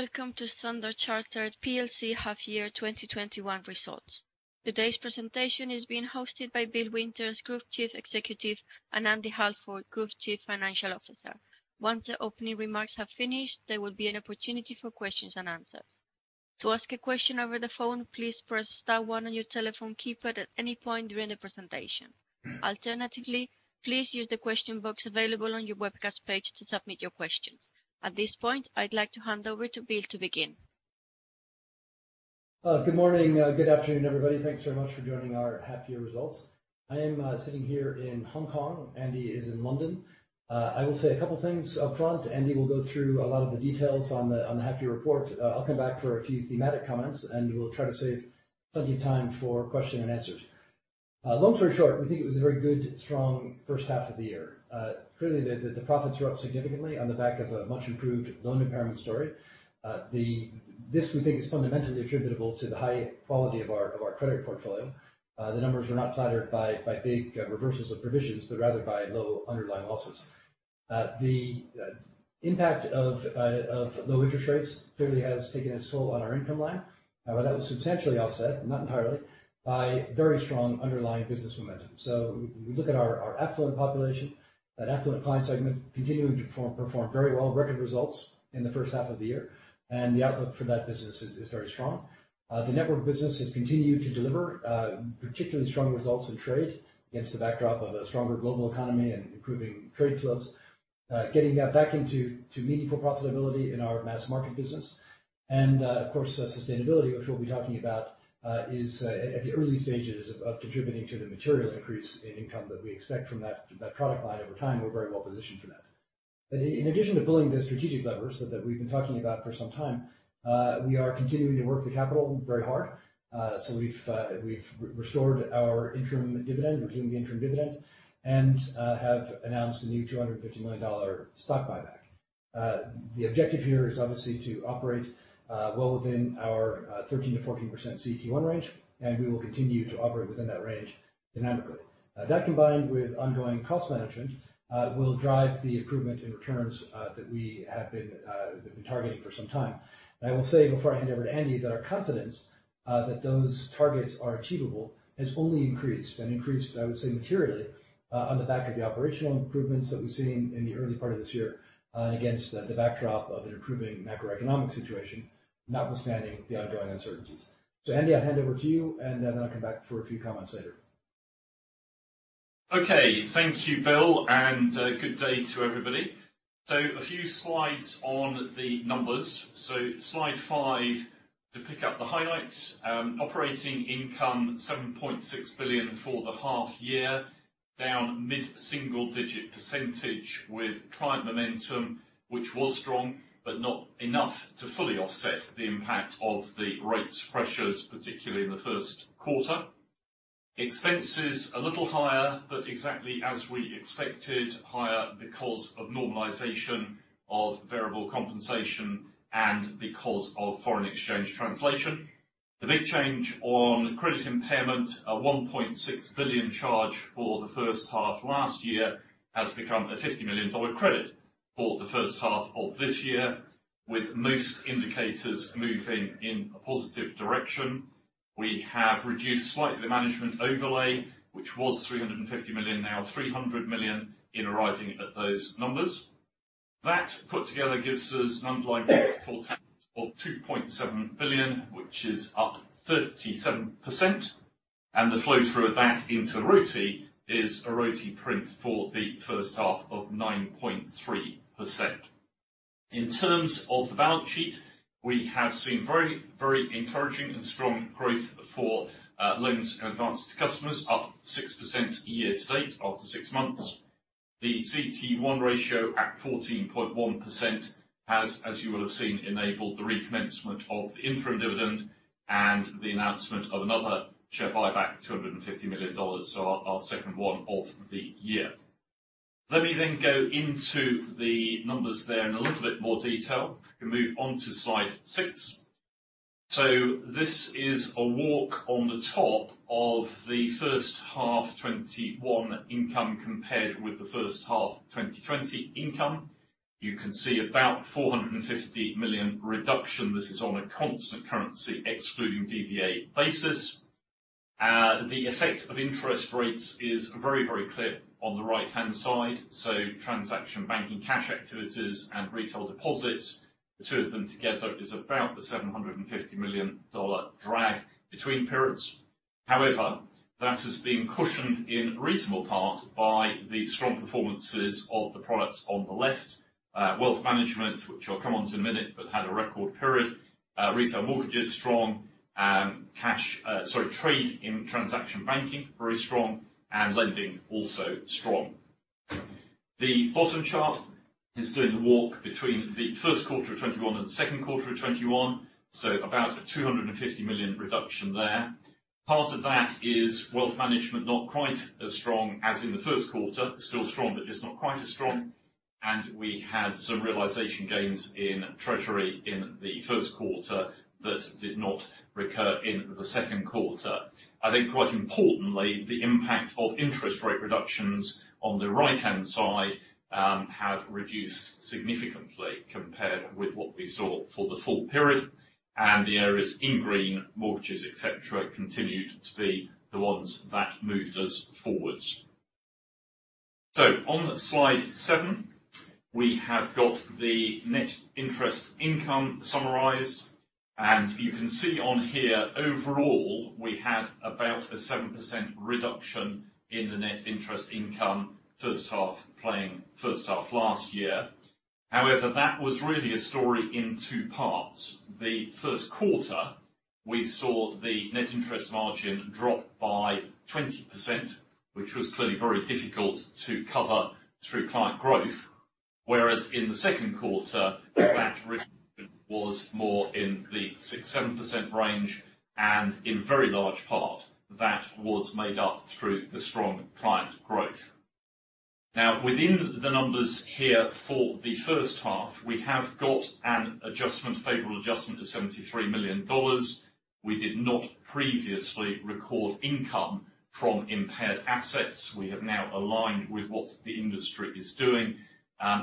Welcome to Standard Chartered PLC half year 2021 results. Today's presentation is being hosted by Bill Winters, Group Chief Executive, and Andy Halford, Group Chief Financial Officer. Once the opening remarks have finished, there will be an opportunity for questions and answers. To ask a question over the phone, please press star one on your telephone keypad at any point during the presentation. Alternatively, please use the question box available on your webcast page to submit your questions. At this point, I'd like to hand over to Bill to begin. Good morning. Good afternoon, everybody. Thanks very much for joining our half year results. I am sitting here in Hong Kong. Andy is in London. I will say a couple things up front. Andy will go through a lot of the details on the half year report. I'll come back for a few thematic comments, and we'll try to save plenty of time for question and answers. Long story short, we think it was a very good, strong first half of the year. Clearly, the profits were up significantly on the back of a much improved loan impairment story. This, we think, is fundamentally attributable to the high quality of our credit portfolio. The numbers are not flattered by big reversals of provisions, but rather by low underlying losses. The impact of low interest rates clearly has taken its toll on our income line. That was substantially offset, but not entirely, by very strong underlying business momentum. We look at our affluent population, that affluent client segment continuing to perform very well, record results in the first half of the year, and the outlook for that business is very strong. The network business has continued to deliver particularly strong results in trade against the backdrop of a stronger global economy and improving trade flows. Getting back into meaningful profitability in our mass market business. Of course, sustainability, which we'll be talking about, is at the early stages of contributing to the material increase in income that we expect from that product line over time. We're very well positioned for that. In addition to pulling the strategic levers that we've been talking about for some time, we are continuing to work the capital very hard. We've restored our interim dividend, resumed the interim dividend, and have announced a new $250 million stock buyback. The objective here is obviously to operate well within our 13%-14% CET1 range, and we will continue to operate within that range dynamically. That, combined with ongoing cost management, will drive the improvement in returns that we have been targeting for some time. I will say before I hand over to Andy that our confidence that those targets are achievable has only increased, I would say, materially on the back of the operational improvements that we've seen in the early part of this year against the backdrop of an improving macroeconomic situation, notwithstanding the ongoing uncertainties. Andy, I'll hand over to you, and then I'll come back for a few comments later. Okay. Thank you, Bill, and good day to everybody. A few slides on the numbers. Slide five to pick up the highlights. Operating income $7.6 billion for the half year, down mid-single digit percentage with client momentum, which was strong, but not enough to fully offset the impact of the rates pressures, particularly in the first quarter. Expenses a little higher, but exactly as we expected, higher because of normalization of variable compensation and because of foreign exchange translation. The big change on credit impairment, a $1.6 billion charge for the first half last year, has become a $50 million credit for the first half of this year, with most indicators moving in a positive direction. We have reduced slightly the management overlay, which was $350 million, now $300 million in arriving at those numbers. That put together gives us an underlying pre-tax profit of $2.7 billion, which is up 37%, and the flow through of that into ROTE is a ROTE print for the first half of 9.3%. In terms of the balance sheet, we have seen very encouraging and strong growth for loans advanced to customers, up 6% year-to-date after six months. The CET1 ratio at 14.1% has, as you will have seen, enabled the recommencement of the interim dividend and the announcement of another share buyback, $250 million, so our second one of the year. Let me go into the numbers there in a little bit more detail. We move on to slide six. This is a walk on the top of the first half 2021 income compared with the first half 2020 income. You can see about $450 million reduction. This is on a constant currency excluding DVA basis. The effect of interest rates is very clear on the right-hand side. Transaction banking, cash activities, and retail deposits. The two of them together is about the $750 million drag between periods. That has been cushioned in reasonable part by the strong performances of the products on the left. Wealth Management, which I'll come on to in a minute, but had a record period. Retail mortgages, strong. Trade in transaction banking, very strong. Lending, also strong. The bottom chart is doing the walk between the first quarter of 2021 and second quarter of 2021, about a $250 million reduction there. Part of that is Wealth Management, not quite as strong as in the first quarter. Still strong, just not quite as strong. We had some realization gains in treasury in the first quarter that did not recur in the second quarter. I think quite importantly, the impact of interest rate reductions on the right-hand side have reduced significantly compared with what we saw for the full period. The areas in green, mortgages, et cetera, continued to be the ones that moved us forwards. On slide seven, we have got the net interest income summarized. You can see on here, overall, we had about a 7% reduction in the net interest income first half, playing first half last year. However, that was really a story in two parts. The first quarter, we saw the net interest margin drop by 20%, which was clearly very difficult to cover through client growth. In the second quarter, that reduction was more in the 6%-7% range, and in very large part, that was made up through the strong client growth. Within the numbers here for the first half, we have got an adjustment, favorable adjustment of $73 million. We did not previously record income from impaired assets. We have now aligned with what the industry is doing.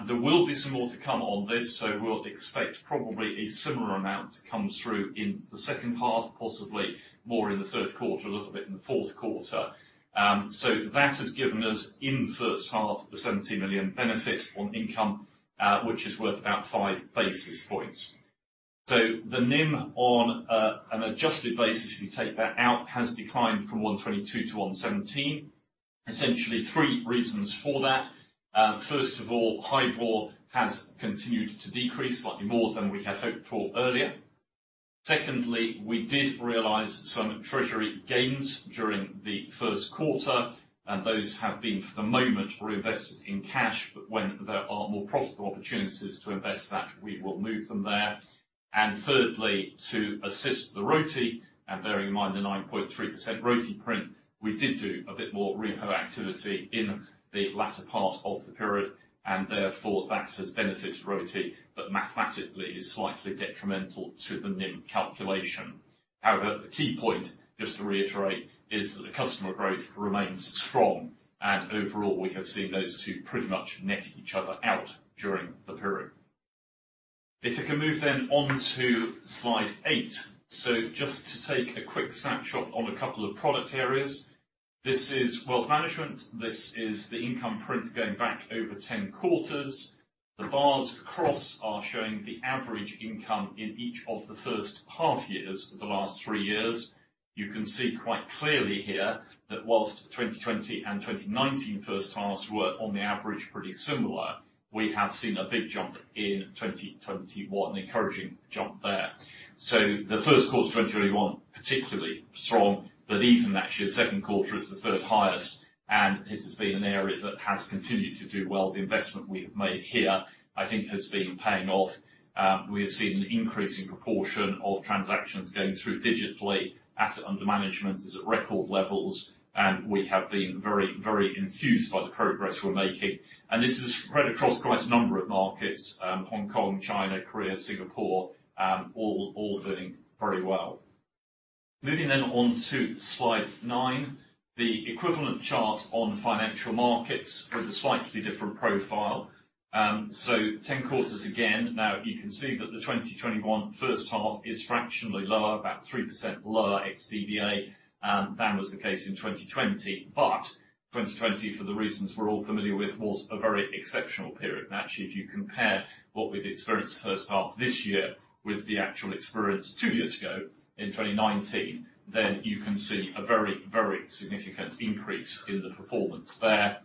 There will be some more to come on this. We'll expect probably a similar amount to come through in the second half, possibly more in the third quarter, a little bit in the fourth quarter. That has given us, in the first half, the $70 million benefit on income, which is worth about five basis points. The NIM on an adjusted basis, if you take that out, has declined from 122 basis points to 117 basis points. Essentially, three reasons for that. First of all, HIBOR has continued to decrease slightly more than we had hoped for earlier. Secondly, we did realize some treasury gains during the first quarter, and those have been, for the moment, reinvested in cash, but when there are more profitable opportunities to invest that, we will move them there. Thirdly, to assist the ROTE, and bearing in mind the 9.3% ROTE print, we did do a bit more repo activity in the latter part of the period, and therefore that has benefited ROTE, but mathematically is slightly detrimental to the NIM calculation. The key point, just to reiterate, is that the customer growth remains strong, and overall, we have seen those two pretty much net each other out during the period. If I can move then on to slide eight. Just to take a quick snapshot on a couple of product areas. This is Wealth Management. This is the income print going back over 10 quarters. The bars across are showing the average income in each of the first half years of the last three years. You can see quite clearly here that whilst 2020 and 2019 first halves were, on the average, pretty similar, we have seen a big jump in 2021, an encouraging jump there. The first quarter 2021, particularly strong. But even that year, second quarter is the third highest, and it has been an area that has continued to do well. The investment we have made here, I think has been paying off. We have seen an increasing proportion of transactions going through digitally. Asset under management is at record levels, and we have been very, very enthused by the progress we're making. This is spread across quite a number of markets, Hong Kong, China, Korea, Singapore, all doing very well. Moving then on to slide nine. The equivalent chart on financial markets with a slightly different profile. 10 quarters again. Now, you can see that the 2021 first half is fractionally lower, about 3% lower ex DVA, than was the case in 2020. 2020, for the reasons we're all familiar with, was a very exceptional period. Actually, if you compare what we've experienced first half of this year with the actual experience two years ago in 2019, then you can see a very, very significant increase in the performance there.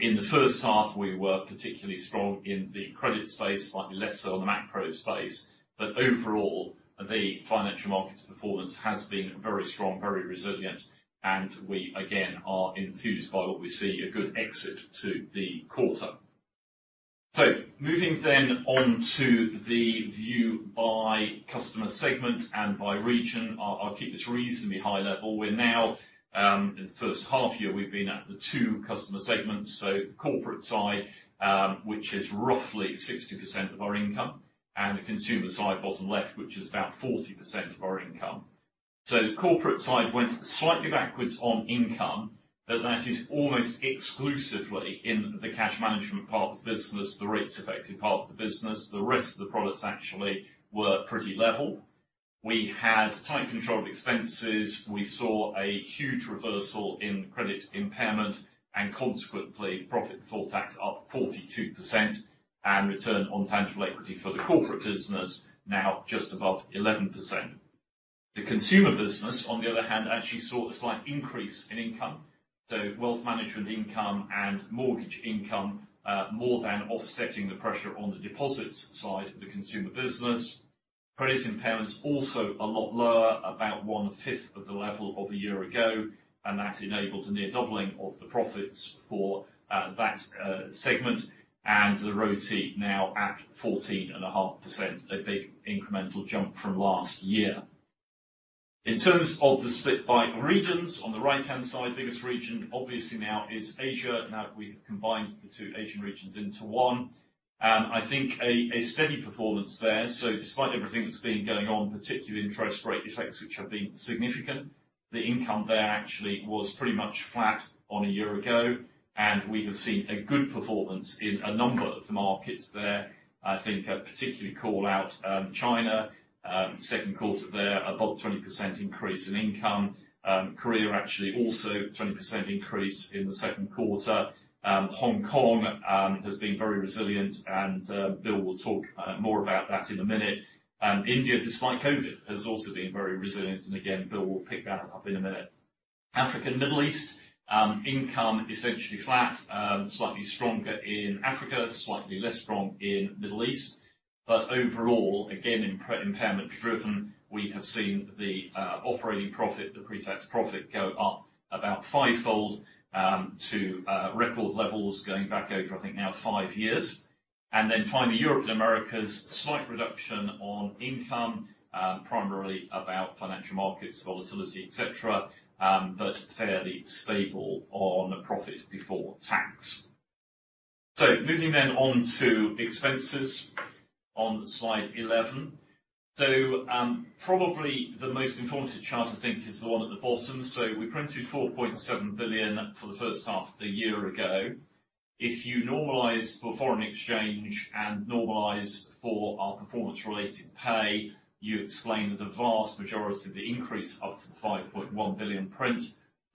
In the first half, we were particularly strong in the credit space, slightly less so on the macro space. Overall, the financial market's performance has been very strong, very resilient, and we again are enthused by what we see, a good exit to the quarter. Moving then on to the view by customer segment and by region. I'll keep this reasonably high level. We're now, in the first half year, we've been at the two customer segments. The corporate side, which is roughly 60% of our income. The consumer side, bottom left, which is about 40% of our income. The corporate side went slightly backwards on income, but that is almost exclusively in the cash management part of the business, the rates affected part of the business. The rest of the products actually were pretty level. We had tight control of expenses. We saw a huge reversal in credit impairment. Consequently, profit before tax up 42% and return on tangible equity for the corporate business now just above 11%. The consumer business, on the other hand, actually saw a slight increase in income. Wealth Management income and mortgage income, more than offsetting the pressure on the deposits side of the consumer business. Credit impairments also a lot lower, about 1/5 of the level of a year ago. That enabled a near doubling of the profits for that segment. The ROTE now at 14.5%, a big incremental jump from last year. In terms of the split by regions, on the right-hand side, biggest region obviously now is Asia, now that we have combined the two Asian regions into one. I think a steady performance there. Despite everything that's been going on, particularly interest rate effects, which have been significant. The income there actually was pretty much flat on a year ago, and we have seen a good performance in a number of the markets there. I think I'd particularly call out China. Second quarter there, above 20% increase in income. Korea actually also 20% increase in the second quarter. Hong Kong has been very resilient and Bill will talk more about that in a minute. India, despite COVID, has also been very resilient and again, Bill will pick that up in a minute. Africa and Middle East, income essentially flat, slightly stronger in Africa, slightly less strong in Middle East. Overall, again, impairment-driven, we have seen the operating profit, the pre-tax profit go up about five-fold to record levels going back over, I think, now five years. Finally, Europe and Americas, slight reduction on income, primarily about financial markets volatility, et cetera, but fairly stable on profit before tax. Moving then on to expenses on slide 11. Probably the most important chart, I think, is the one at the bottom. We printed $4.7 billion for the first half of the year ago. If you normalize for foreign exchange and normalize for our performance-related pay, you explain the vast majority of the increase up to the $5.1 billion print.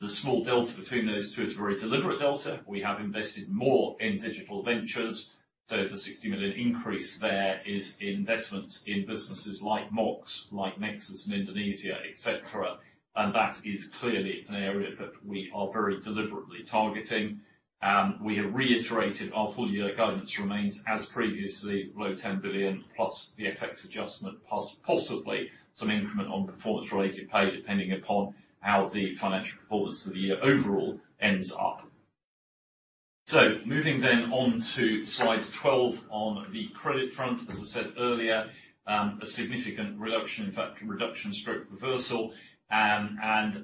The small delta between those two is a very deliberate delta. We have invested more in digital ventures. The $60 million increase there is investment in businesses like Mox, like nexus in Indonesia, et cetera, and that is clearly an area that we are very deliberately targeting. We have reiterated our full-year guidance remains as previously, below $10 billion, plus the FX adjustment, plus possibly some increment on performance-related pay, depending upon how the financial performance for the year overall ends up. Moving on to slide 12 on the credit front. As I said earlier, a significant reduction, in fact, reduction stroke reversal.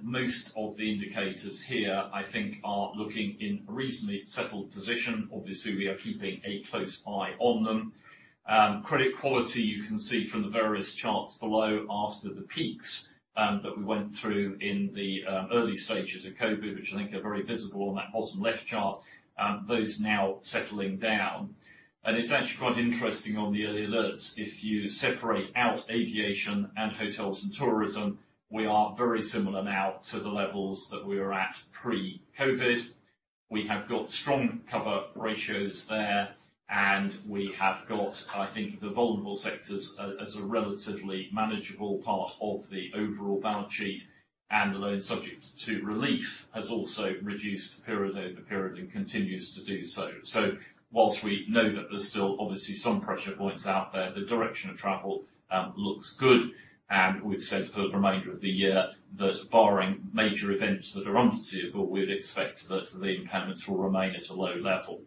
Most of the indicators here, I think, are looking in a reasonably settled position. Obviously, we are keeping a close eye on them. Credit quality, you can see from the various charts below, after the peaks that we went through in the early stages of COVID, which I think are very visible on that bottom left chart, those now settling down. It's actually quite interesting on the early alerts. If you separate out aviation and hotels and tourism, we are very similar now to the levels that we were at pre-COVID. We have got strong cover ratios there, and we have got, I think, the vulnerable sectors as a relatively manageable part of the overall balance sheet. Whilst we know that there's still obviously some pressure points out there, the direction of travel looks good. And the loans subject to relief has also reduced period over period and continues to do so. And we've said for the remainder of the year that barring major events that are unforeseeable, we'd expect that the impairments will remain at a low level.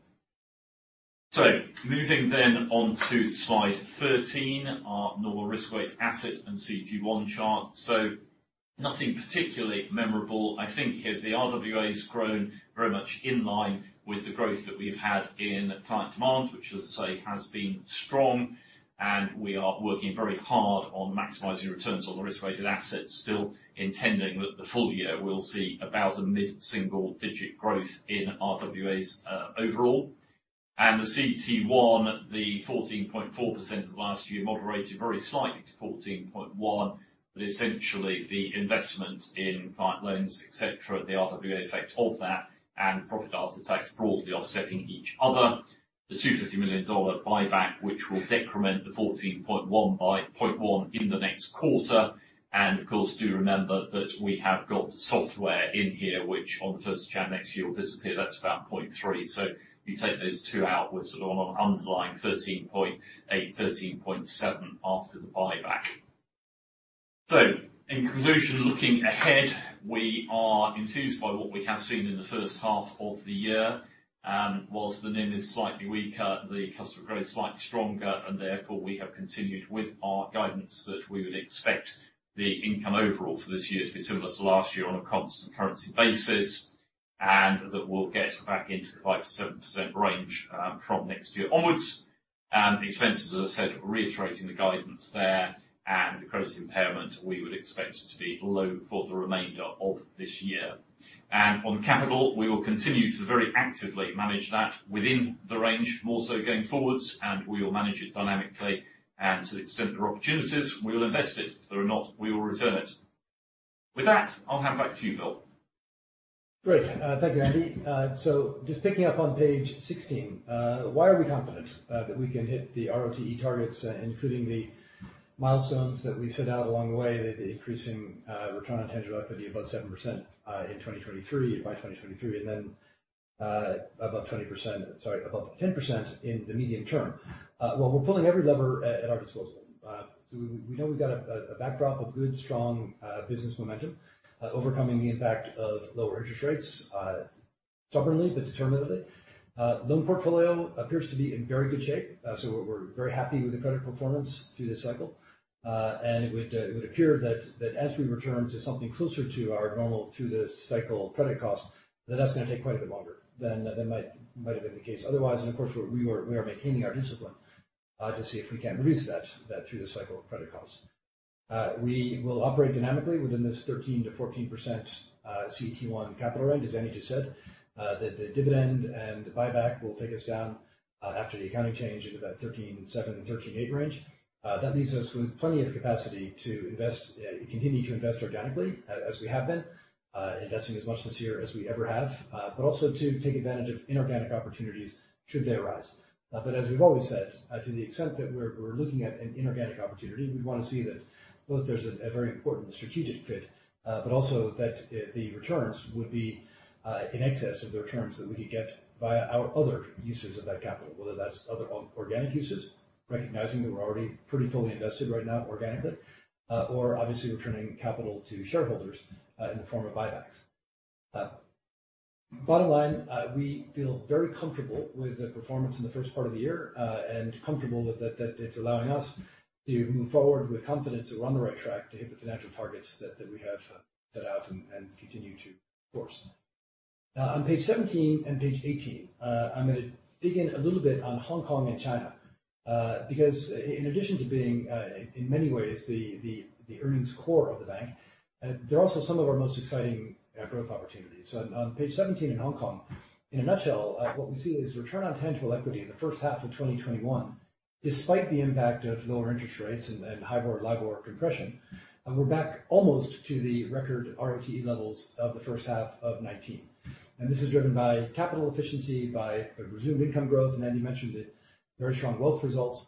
Moving then on to slide 13, our normal risk-weighted asset and CET1 chart. Nothing particularly memorable. I think here the RWA has grown very much in line with the growth that we've had in client demand, which as I say, has been strong. We are working very hard on maximizing returns on the risk-weighted assets, still intending that the full year will see about a mid-single digit growth in RWAs overall. The CET1, the 14.4% of last year moderated very slightly to 14.1%. Essentially the investment in client loans, et cetera, the RWA effect of that and profit after tax broadly offsetting each other. The $250 million buyback, which will decrement the 14.1% by 0.1% in the next quarter. Of course, do remember that we have got software in here, which on the first of January next year will disappear. That's about 0.3%. If you take those two out, we're sort of on an underlying 13.8%, 13.7% after the buyback. In conclusion, looking ahead, we are enthused by what we have seen in the first half of the year. Whilst the NIM is slightly weaker, the customer growth slightly stronger, therefore we have continued with our guidance that we would expect the income overall for this year to be similar to last year on a constant currency basis. That we'll get back into the 5%-7% range from next year onwards. Expenses, as I said, reiterating the guidance there. The credit impairment, we would expect it to be low for the remainder of this year. On capital, we will continue to very actively manage that within the range more so going forwards, and we will manage it dynamically. To the extent there are opportunities, we will invest it. If there are not, we will return it. With that, I'll hand back to you, Bill. Great. Thank you, Andy. Just picking up on page 16. Why are we confident that we can hit the ROTE targets, including the milestones that we set out along the way, the increasing return on tangible equity above 7% in 2023, by 2023, and then sorry, above 10% in the medium term? We're pulling every lever at our disposal. We know we've got a backdrop of good, strong business momentum, overcoming the impact of lower interest rates stubbornly but determinately. Loan portfolio appears to be in very good shape, so we're very happy with the credit performance through this cycle. It would appear that as we return to something closer to our normal through-the-cycle credit cost, that that's going to take quite a bit longer than might have been the case otherwise. Of course, we are maintaining our discipline to see if we can reduce that through the cycle of credit costs. We will operate dynamically within this 13%-14% CET1 capital range, as Andy just said. The dividend and buyback will take us down after the accounting change into that 13.7% and 13.8% range. That leaves us with plenty of capacity to continue to invest organically, as we have been. Investing as much this year as we ever have. Also to take advantage of inorganic opportunities should they arise. As we've always said, to the extent that we're looking at an inorganic opportunity, we'd want to see that both there's a very important strategic fit, but also that the returns would be in excess of the returns that we could get via our other uses of that capital, whether that's other organic uses, recognizing that we're already pretty fully invested right now organically. Obviously returning capital to shareholders, in the form of buybacks. Bottom line, we feel very comfortable with the performance in the first part of the year, and comfortable that it's allowing us to move forward with confidence that we're on the right track to hit the financial targets that we have set out and continue to course. On page 17 and page 18, I'm going to dig in a little bit on Hong Kong and China. Because in addition to being, in many ways, the earnings core of the bank, they're also some of our most exciting growth opportunities. On page 17 in Hong Kong, in a nutshell, what we see is return on tangible equity in the first half of 2021, despite the impact of lower interest rates and HIBOR, LIBOR compression, we're back almost to the record ROTE levels of the first half of 2019. This is driven by capital efficiency, by resumed income growth, and Andy mentioned the very strong wealth results.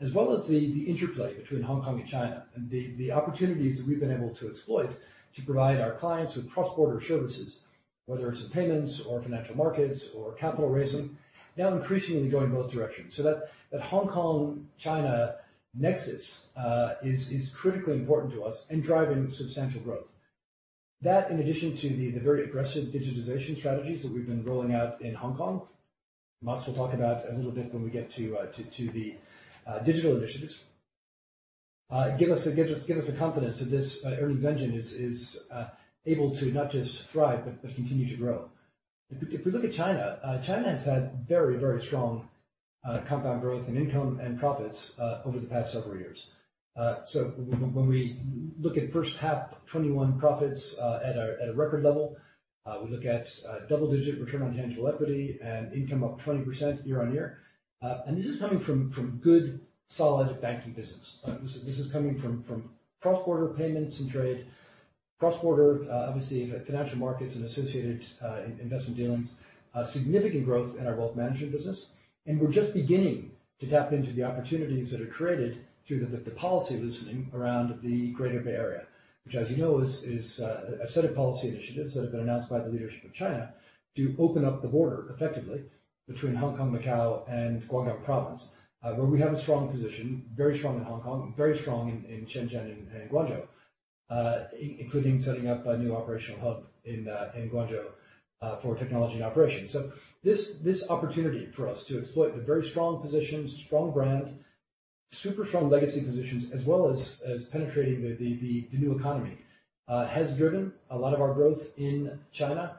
As well as the interplay between Hong Kong and China, and the opportunities that we've been able to exploit to provide our clients with cross-border services, whether it's in payments or financial markets or capital raising. Increasingly going both directions. That Hong Kong-China nexus is critically important to us and driving substantial growth. That, in addition to the very aggressive digitization strategies that we've been rolling out in Hong Kong. Mox will talk about a little bit when we get to the digital initiatives. Give us the confidence that this earnings engine is able to not just thrive but continue to grow. If we look at China has had very, very strong compound growth and income and profits over the past several years. When we look at first half 2021 profits at a record level. We look at double-digit return on tangible equity and income up 20% year-on-year. This is coming from good solid banking business. This is coming from cross-border payments and trade. Cross-border, obviously financial markets and associated investment dealings. Significant growth in our Wealth Management business. We're just beginning to tap into the opportunities that are created through the policy loosening around the Greater Bay Area. Which as you know, is a set of policy initiatives that have been announced by the leadership of China to open up the border effectively between Hong Kong, Macao, and Guangdong Province. Where we have a strong position, very strong in Hong Kong, very strong in Shenzhen and Guangzhou. Including setting up a new operational hub in Guangzhou, for technology and operations. This opportunity for us to exploit the very strong position, strong brand, super strong legacy positions, as well as penetrating the new economy, has driven a lot of our growth in China,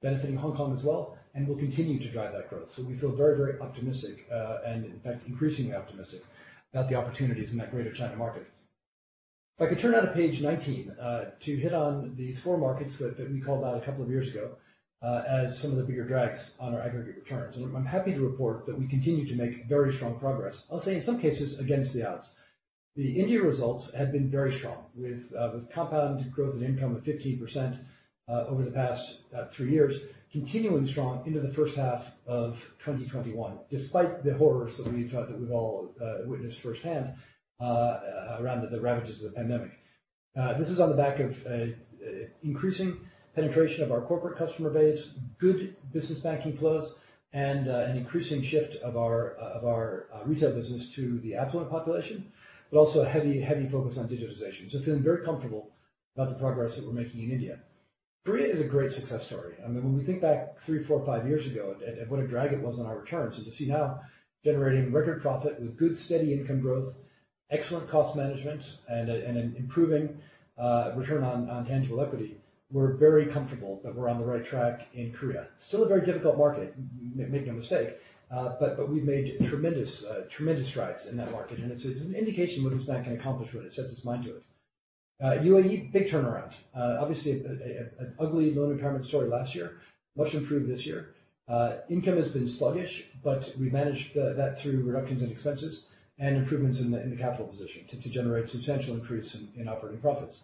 benefiting Hong Kong as well, and will continue to drive that growth. We feel very, very optimistic, and in fact, increasingly optimistic about the opportunities in that Greater China market. If I could turn now to page 19, to hit on these four markets that we called out a couple of years ago, as some of the bigger drags on our aggregate returns. I'm happy to report that we continue to make very strong progress. I'll say in some cases, against the odds. The India results have been very strong with compound growth and income of 15% over the past three years. Continuing strong into the first half of 2021, despite the horrors that we've all witnessed firsthand around the ravages of the pandemic. This is on the back of increasing penetration of our corporate customer base, good business banking flows, and an increasing shift of our retail business to the affluent population, but also a heavy focus on digitization. Feeling very comfortable about the progress that we're making in India. Korea is a great success story. When we think back three, four, five years ago at what a drag it was on our returns. To see now generating record profit with good steady income growth, excellent cost management, and an improving return on tangible equity. We're very comfortable that we're on the right track in Korea. Still a very difficult market, make no mistake. We've made tremendous strides in that market. It's an indication what this bank can accomplish when it sets its mind to it. UAE, big turnaround. Obviously, an ugly loan impairment story last year. Much improved this year. Income has been sluggish, but we managed that through reductions in expenses and improvements in the capital position to generate substantial increase in operating profits.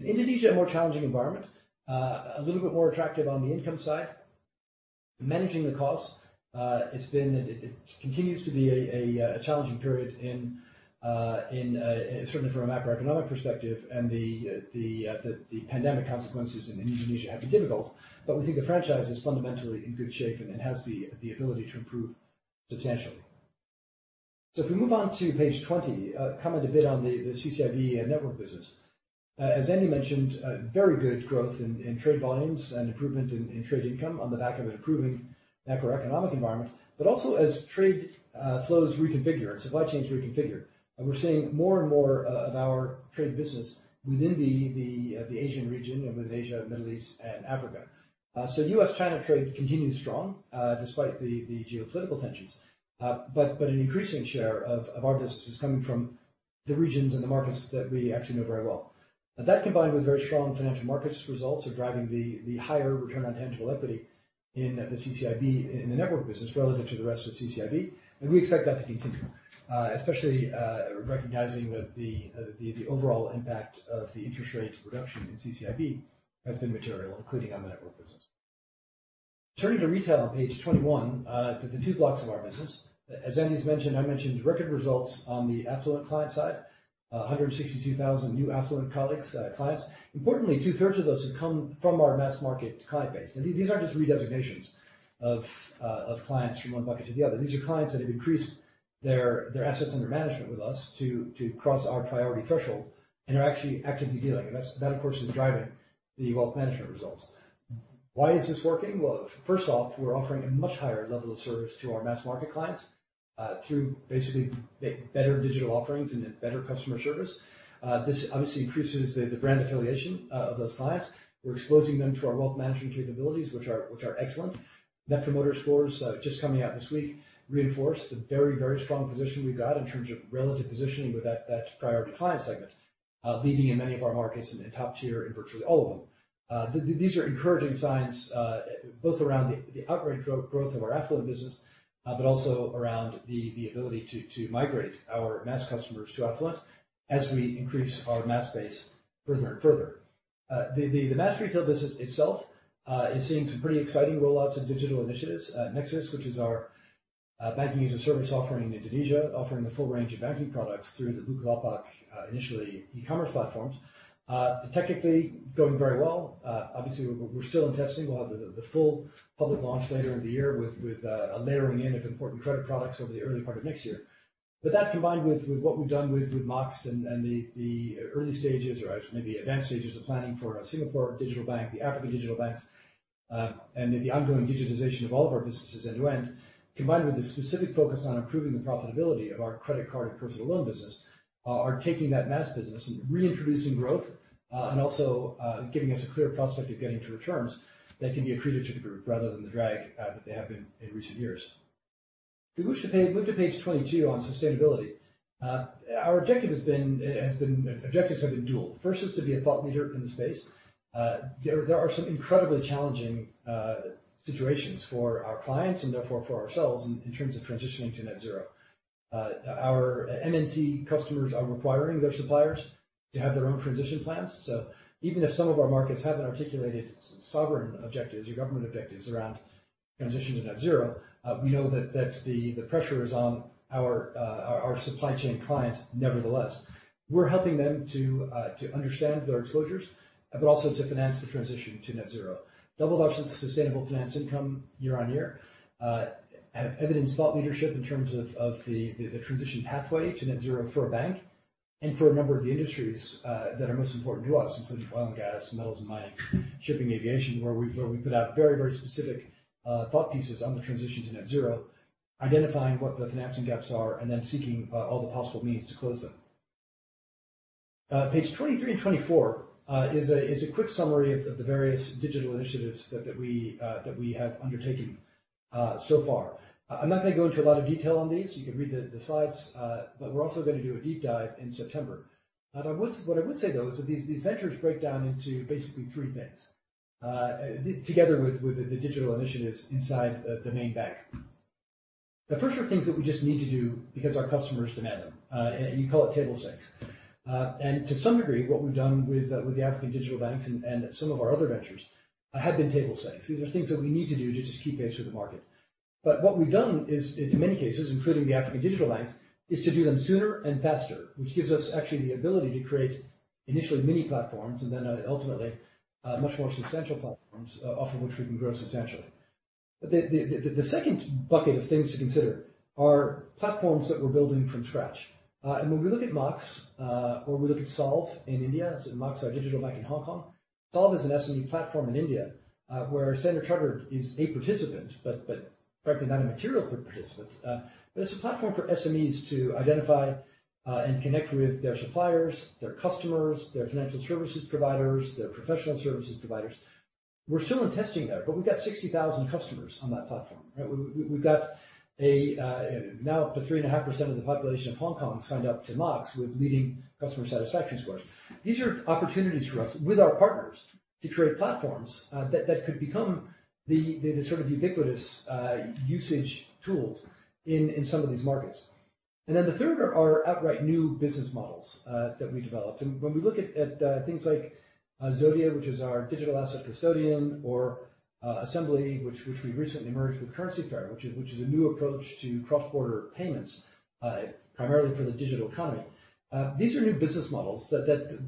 In Indonesia, a more challenging environment. A little bit more attractive on the income side. Managing the costs. It continues to be a challenging period certainly from a macroeconomic perspective, and the pandemic consequences in Indonesia have been difficult, but we think the franchise is fundamentally in good shape and has the ability to improve substantially. If we move on to page 20, comment a bit on the CCIB network business. As Andy mentioned, very good growth in trade volumes and improvement in trade income on the back of an improving macroeconomic environment. Also as trade flows reconfigure and supply chains reconfigure, we're seeing more and more of our trade business within the Asian region and within Asia, Middle East, and Africa. U.S.-China trade continues strong, despite the geopolitical tensions. An increasing share of our business is coming from the regions and the markets that we actually know very well. That combined with very strong financial markets results are driving the higher return on tangible equity in the CCIB in the network business relative to the rest of the CCIB. We expect that to continue, especially recognizing that the overall impact of the interest rate reduction in CCIB has been material, including on the network business. Turning to retail on page 21, for the two blocks of our business. As Andy's mentioned, I mentioned record results on the affluent client side, 162,000 new affluent clients. Importantly, 2/3 of those have come from our mass market client base. These aren't just redesignations of clients from one bucket to the other. These are clients that have increased their assets under management with us to cross our priority threshold and are actually actively dealing. That, of course, is driving the Wealth Management results. Why is this working? Well, first off, we're offering a much higher level of service to our mass market clients, through basically better digital offerings and better customer service. This obviously increases the brand affiliation of those clients. We're exposing them to our Wealth Management capabilities, which are excellent. Net Promoter Score scores just coming out this week reinforce the very, very strong position we've got in terms of relative positioning with that priority client segment, leading in many of our markets and top tier in virtually all of them. These are encouraging signs, both around the outright growth of our affluent business, but also around the ability to migrate our mass customers to affluent as we increase our mass base further and further. The mass retail business itself is seeing some pretty exciting rollouts of digital initiatives. nexus, which is our banking-as-a-service offering in Indonesia, offering a full range of banking products through the Bukalapak, initially e-commerce platforms, technically going very well. Obviously, we're still in testing. We'll have the full public launch later in the year with a layering in of important credit products over the early part of next year. That combined with what we've done with Mox and the early stages or actually maybe advanced stages of planning for our Singapore digital bank, the African digital banks, and the ongoing digitization of all of our businesses end-to-end, combined with the specific focus on improving the profitability of our credit card and personal loan business, are taking that mass business and reintroducing growth, and also giving us a clear prospect of getting to returns that can be accretive to the group rather than the drag that they have been in recent years. If we move to page 22 on sustainability. Our objectives have been dual. First is to be a thought leader in the space. There are some incredibly challenging situations for our clients and therefore for ourselves in terms of transitioning to net-zero. Our MNC customers are requiring their suppliers to have their own transition plans. Even if some of our markets haven't articulated sovereign objectives or government objectives around transition to net-zero, we know that the pressure is on our supply chain clients, nevertheless. We're helping them to understand their exposures, but also to finance the transition to net-zero. Double-digit sustainable finance income year-on-year, evidence thought leadership in terms of the transition pathway to net-zero for a bank and for a number of the industries that are most important to us, including oil and gas, metals and mining, shipping, aviation, where we put out very, very specific thought pieces on the transition to net-zero, identifying what the financing gaps are, seeking all the possible means to close them. Page 23 and 24 is a quick summary of the various digital initiatives that we have undertaken so far. I'm not going to go into a lot of detail on these. You can read the slides. We're also going to do a deep dive in September. What I would say, though, is that these ventures break down into basically three things, together with the digital initiatives inside the main bank. The first are things that we just need to do because our customers demand them. You call it table stakes. To some degree, what we've done with the African digital banks and some of our other ventures have been table stakes. These are things that we need to do just to keep pace with the market. What we've done is in many cases, including the African digital banks, is to do them sooner and faster, which gives us actually the ability to create initially mini platforms and then ultimately, much more substantial platforms off of which we can grow substantially. The second bucket of things to consider are platforms that we're building from scratch. When we look at Mox, or we look at Solv in India, so Mox, our digital bank in Hong Kong. Solv is an SME platform in India, where Standard Chartered is a participant, frankly not a material participant. It's a platform for SMEs to identify and connect with their suppliers, their customers, their financial services providers, their professional services providers. We're still in testing there, we've got 60,000 customers on that platform. We've got now up to 3.5% of the population of Hong Kong signed up to Mox with leading customer satisfaction scores. These are opportunities for us with our partners to create platforms that could become the sort of ubiquitous usage tools in some of these markets. The third are outright new business models that we developed. When we look at things like Zodia, which is our digital asset custodian, or Assembly, which we recently merged with CurrencyFair, which is a new approach to cross-border payments, primarily for the digital economy. These are new business models that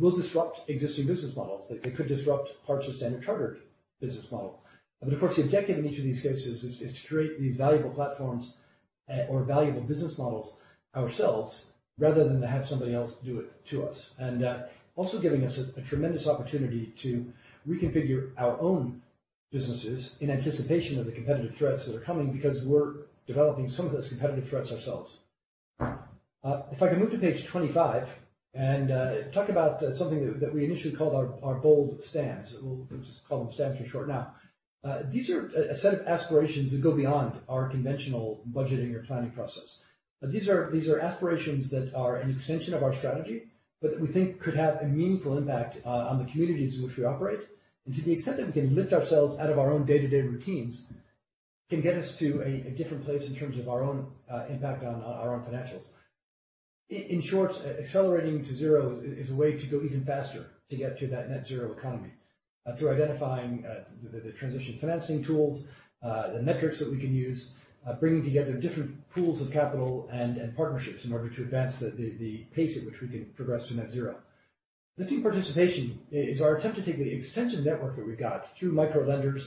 will disrupt existing business models. They could disrupt parts of Standard Chartered business model. Of course, the objective in each of these cases is to create these valuable platforms or valuable business models ourselves rather than to have somebody else do it to us. Also giving us a tremendous opportunity to reconfigure our own businesses in anticipation of the competitive threats that are coming because we're developing some of those competitive threats ourselves. If I can move to page 25. Talk about something that we initially called our Bold Stands. We'll just call them Stands for short now. These are a set of aspirations that go beyond our conventional budgeting or planning process. These are aspirations that are an extension of our strategy, but that we think could have a meaningful impact on the communities in which we operate, and to the extent that we can lift ourselves out of our own day-to-day routines, can get us to a different place in terms of our own impact on our own financials. In short, Accelerating Zero is a way to go even faster to get to that net-zero economy through identifying the transition financing tools, the metrics that we can use, bringing together different pools of capital and partnerships in order to advance the pace at which we can progress to net-zero. Lifting Participation is our attempt to take the extensive network that we've got through micro-lenders,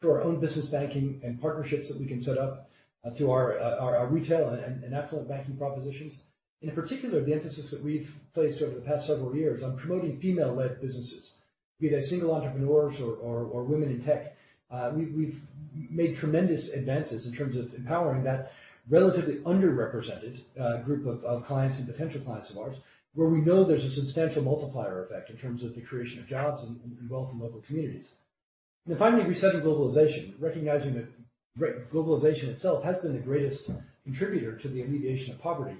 through our own business banking and partnerships that we can set up through our retail and affluent banking propositions. In particular, the emphasis that we've placed over the past several years on promoting female-led businesses, be they single entrepreneurs or women in tech. We've made tremendous advances in terms of empowering that relatively underrepresented group of clients and potential clients of ours, where we know there's a substantial multiplier effect in terms of the creation of jobs and wealth in local communities. Finally, Resetting Globalization, recognizing that globalization itself has been the greatest contributor to the alleviation of poverty.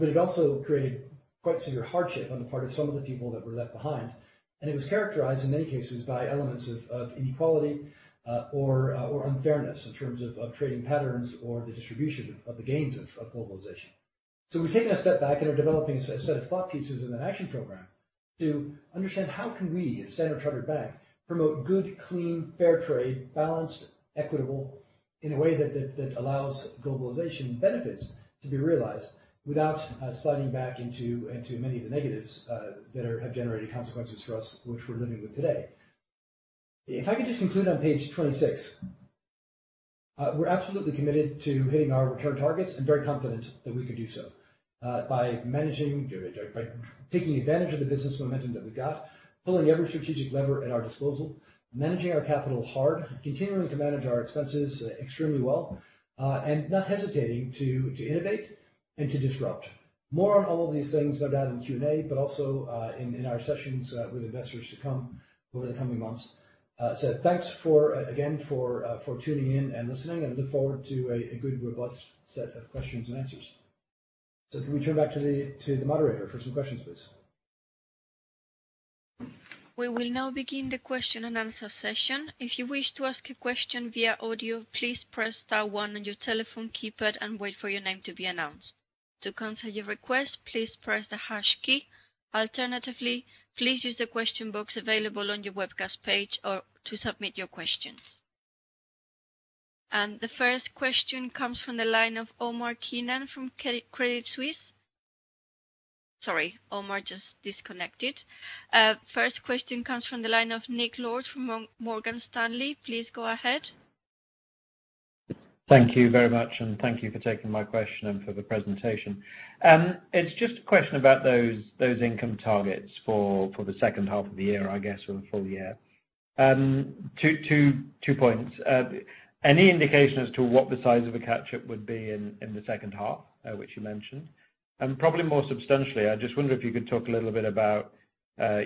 It also created quite severe hardship on the part of some of the people that were left behind. It was characterized, in many cases, by elements of inequality or unfairness in terms of trading patterns or the distribution of the gains of globalization. We've taken a step back and are developing a set of thought pieces and an action program to understand how can we, as Standard Chartered Bank, promote good, clean, fair trade, balanced, equitable in a way that allows globalization benefits to be realized without sliding back into many of the negatives that have generated consequences for us, which we're living with today. If I could just conclude on page 26. We're absolutely committed to hitting our return targets and very confident that we can do so by taking advantage of the business momentum that we've got, pulling every strategic lever at our disposal, managing our capital hard, continuing to manage our expenses extremely well, and not hesitating to innovate and to disrupt. More on all of these things no doubt in Q&A, but also in our sessions with investors to come over the coming months. Thanks again for tuning in and listening, and I look forward to a good, robust set of questions and answers. Can we turn back to the moderator for some questions, please? We will now begin the question and answer session. If you wish to ask a question via audio, please press star one on your telephone keypad and wait for your name to be announced. To cancel your request, please press the hash key. Alternatively, please use the question box available on your webcast page to submit your questions. The first question comes from the line of Omar Keenan from Credit Suisse. Sorry, Omar just disconnected. First question comes from the line of Nick Lord from Morgan Stanley. Please go ahead. Thank you very much, and thank you for taking my question and for the presentation. It's just a question about those income targets for the second half of the year, I guess, or the full year. Two points. Any indication as to what the size of a catch-up would be in the second half, which you mentioned? Probably more substantially, I just wonder if you could talk a little bit about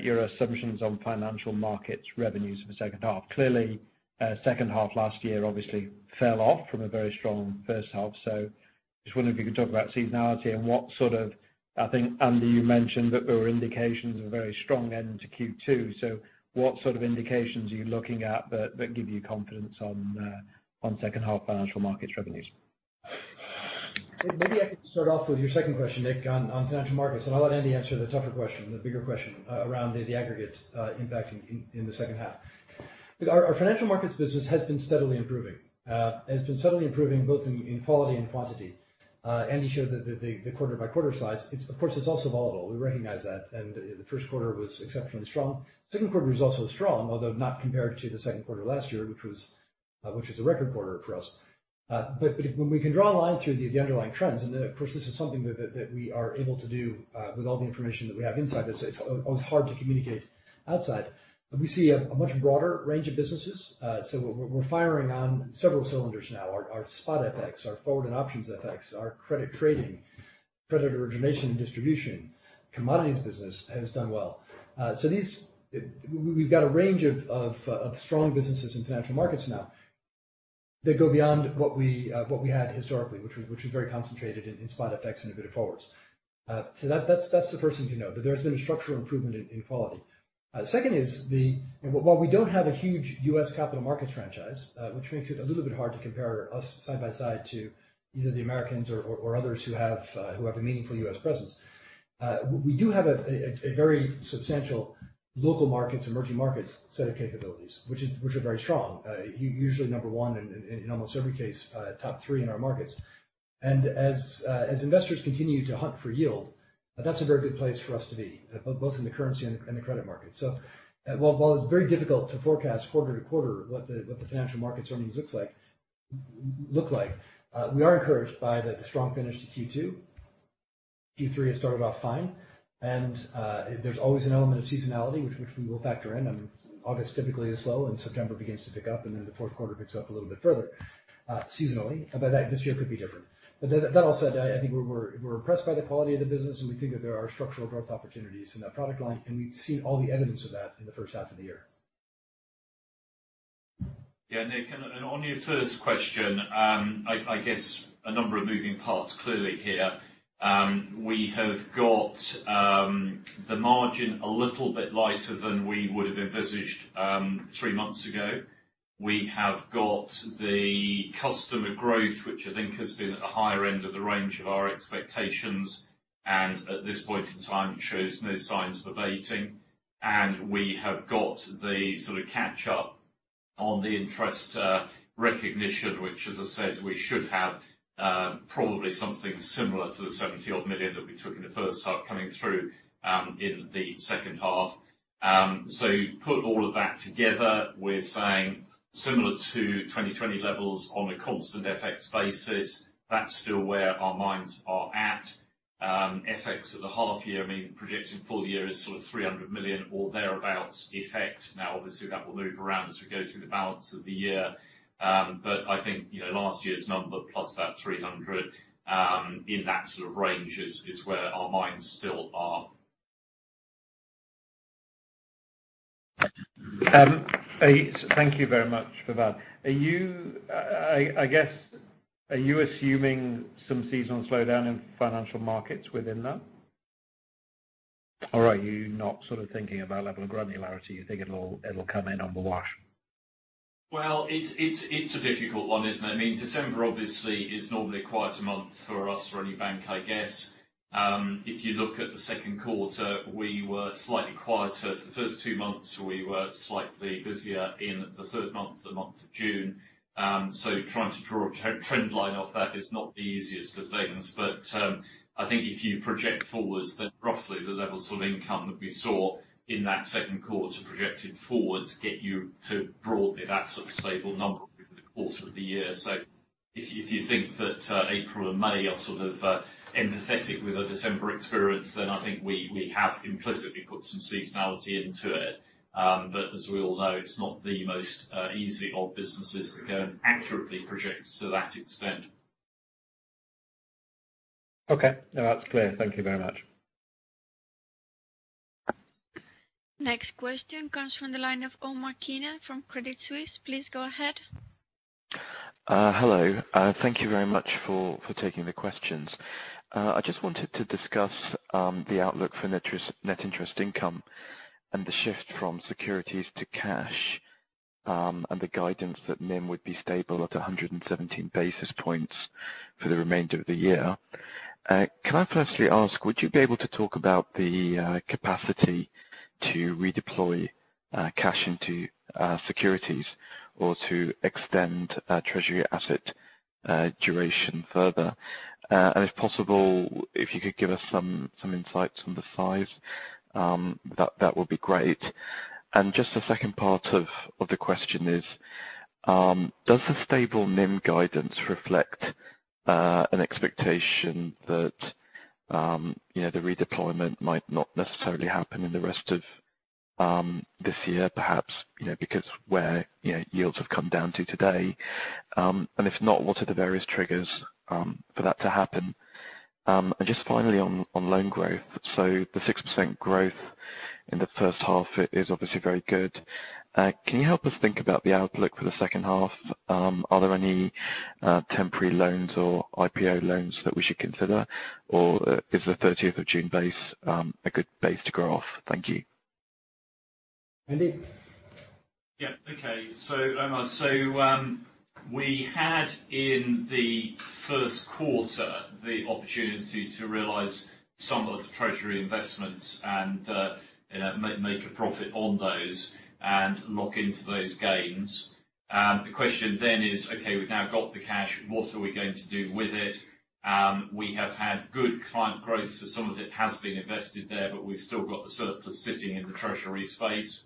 your assumptions on financial markets revenues for the second half. Clearly, second half last year obviously fell off from a very strong first half. Just wondering if you could talk about seasonality and what sort of I think, Andy, you mentioned that there were indications of a very strong end to Q2. What sort of indications are you looking at that give you confidence on second half financial markets revenues? Maybe I could start off with your second question, Nick, on financial markets, and I'll let Andy answer the tougher question, the bigger question around the aggregate impact in the second half. Look, our financial markets business has been steadily improving. It has been steadily improving both in quality and quantity. Andy showed the quarter by quarter size. Of course, it's also volatile. We recognize that, the first quarter was exceptionally strong. Second quarter was also strong, although not compared to the second quarter last year, which was a record quarter for us. When we can draw a line through the underlying trends, and then, of course, this is something that we are able to do with all the information that we have inside. It's always hard to communicate outside. We see a much broader range of businesses. We're firing on several cylinders now. Our spot FX, our forward and options FX, our credit trading, credit origination and distribution, commodities business has done well. We've got a range of strong businesses in financial markets now that go beyond what we had historically, which was very concentrated in spot FX and a bit of forwards. That's the first thing to note, that there's been a structural improvement in quality. Second is while we don't have a huge U.S. capital markets franchise, which makes it a little bit hard to compare us side by side to either the Americans or others who have a meaningful U.S. presence. We do have a very substantial local markets, emerging markets set of capabilities, which are very strong. Usually number one in almost every case, top three in our markets. As investors continue to hunt for yield, that's a very good place for us to be, both in the currency and the credit market. While it's very difficult to forecast quarter-to-quarter what the financial markets earnings look like, we are encouraged by the strong finish to Q2. Q3 has started off fine. There's always an element of seasonality, which we will factor in. August typically is slow, and September begins to pick up, and then the fourth quarter picks up a little bit further seasonally. This year could be different. That all said, I think we're impressed by the quality of the business, and we think that there are structural growth opportunities in that product line, and we've seen all the evidence of that in the first half of the year. Nick, on your first question, I guess a number of moving parts clearly here. We have got the margin a little bit lighter than we would have envisaged three months ago. We have got the customer growth, which I think has been at the higher end of the range of our expectations. At this point in time, it shows no signs of abating. We have got the sort of catch up on the interest recognition, which, as I said, we should have probably something similar to the $70-odd million that we took in the first half coming through in the second half. Put all of that together with saying similar to 2020 levels on a constant FX basis. That's still where our minds are at. FX at the half year, projecting full year is sort of $300 million or thereabouts effect. Obviously that will move around as we go through the balance of the year. I think last year's number plus that $300 million in that sort of range is where our minds still are. Thank you very much for that. I guess, are you assuming some seasonal slowdown in financial markets within that? Are you not sort of thinking of that level of granularity, you think it'll come in on the wash? Well, it's a difficult one, isn't it? December obviously is normally a quieter month for us or any bank, I guess. If you look at the second quarter, we were slightly quieter for the first two months. We were slightly busier in the third month, the month of June. Trying to draw a trend line off that is not the easiest of things. I think if you project forwards that roughly the levels of income that we saw in that second quarter projected forwards get you to broadly that sort of stable number over the course of the year. If you think that April and May are sort of empathetic with a December experience, then I think we have implicitly put some seasonality into it. As we all know, it's not the most easy of businesses to go and accurately project to that extent. Okay. No, that's clear. Thank you very much. Next question comes from the line of Omar Keenan from Credit Suisse. Please go ahead. Hello. Thank you very much for taking the questions. I just wanted to discuss the outlook for net interest income and the shift from securities to cash. The guidance that NIM would be stable at 117 basis points for the remainder of the year. Can I firstly ask, would you be able to talk about the capacity to redeploy cash into securities or to extend treasury asset duration further? If possible, if you could give us some insights on the size, that would be great. The second part of the question is, does the stable NIM guidance reflect an expectation that the redeployment might not necessarily happen in the rest of this year, perhaps because where yields have come down to today? If not, what are the various triggers for that to happen? Finally on loan growth. The 6% growth in the first half is obviously very good. Can you help us think about the outlook for the second half? Are there any temporary loans or IPO loans that we should consider? Is the 30th of June base a good base to grow off? Thank you. Andy? Yeah. Okay. Omar, we had in the first quarter the opportunity to realize some of the treasury investments and make a profit on those and lock into those gains. The question is, okay, we've now got the cash. What are we going to do with it? We have had good client growth, so some of it has been invested there, but we've still got the surplus sitting in the treasury space.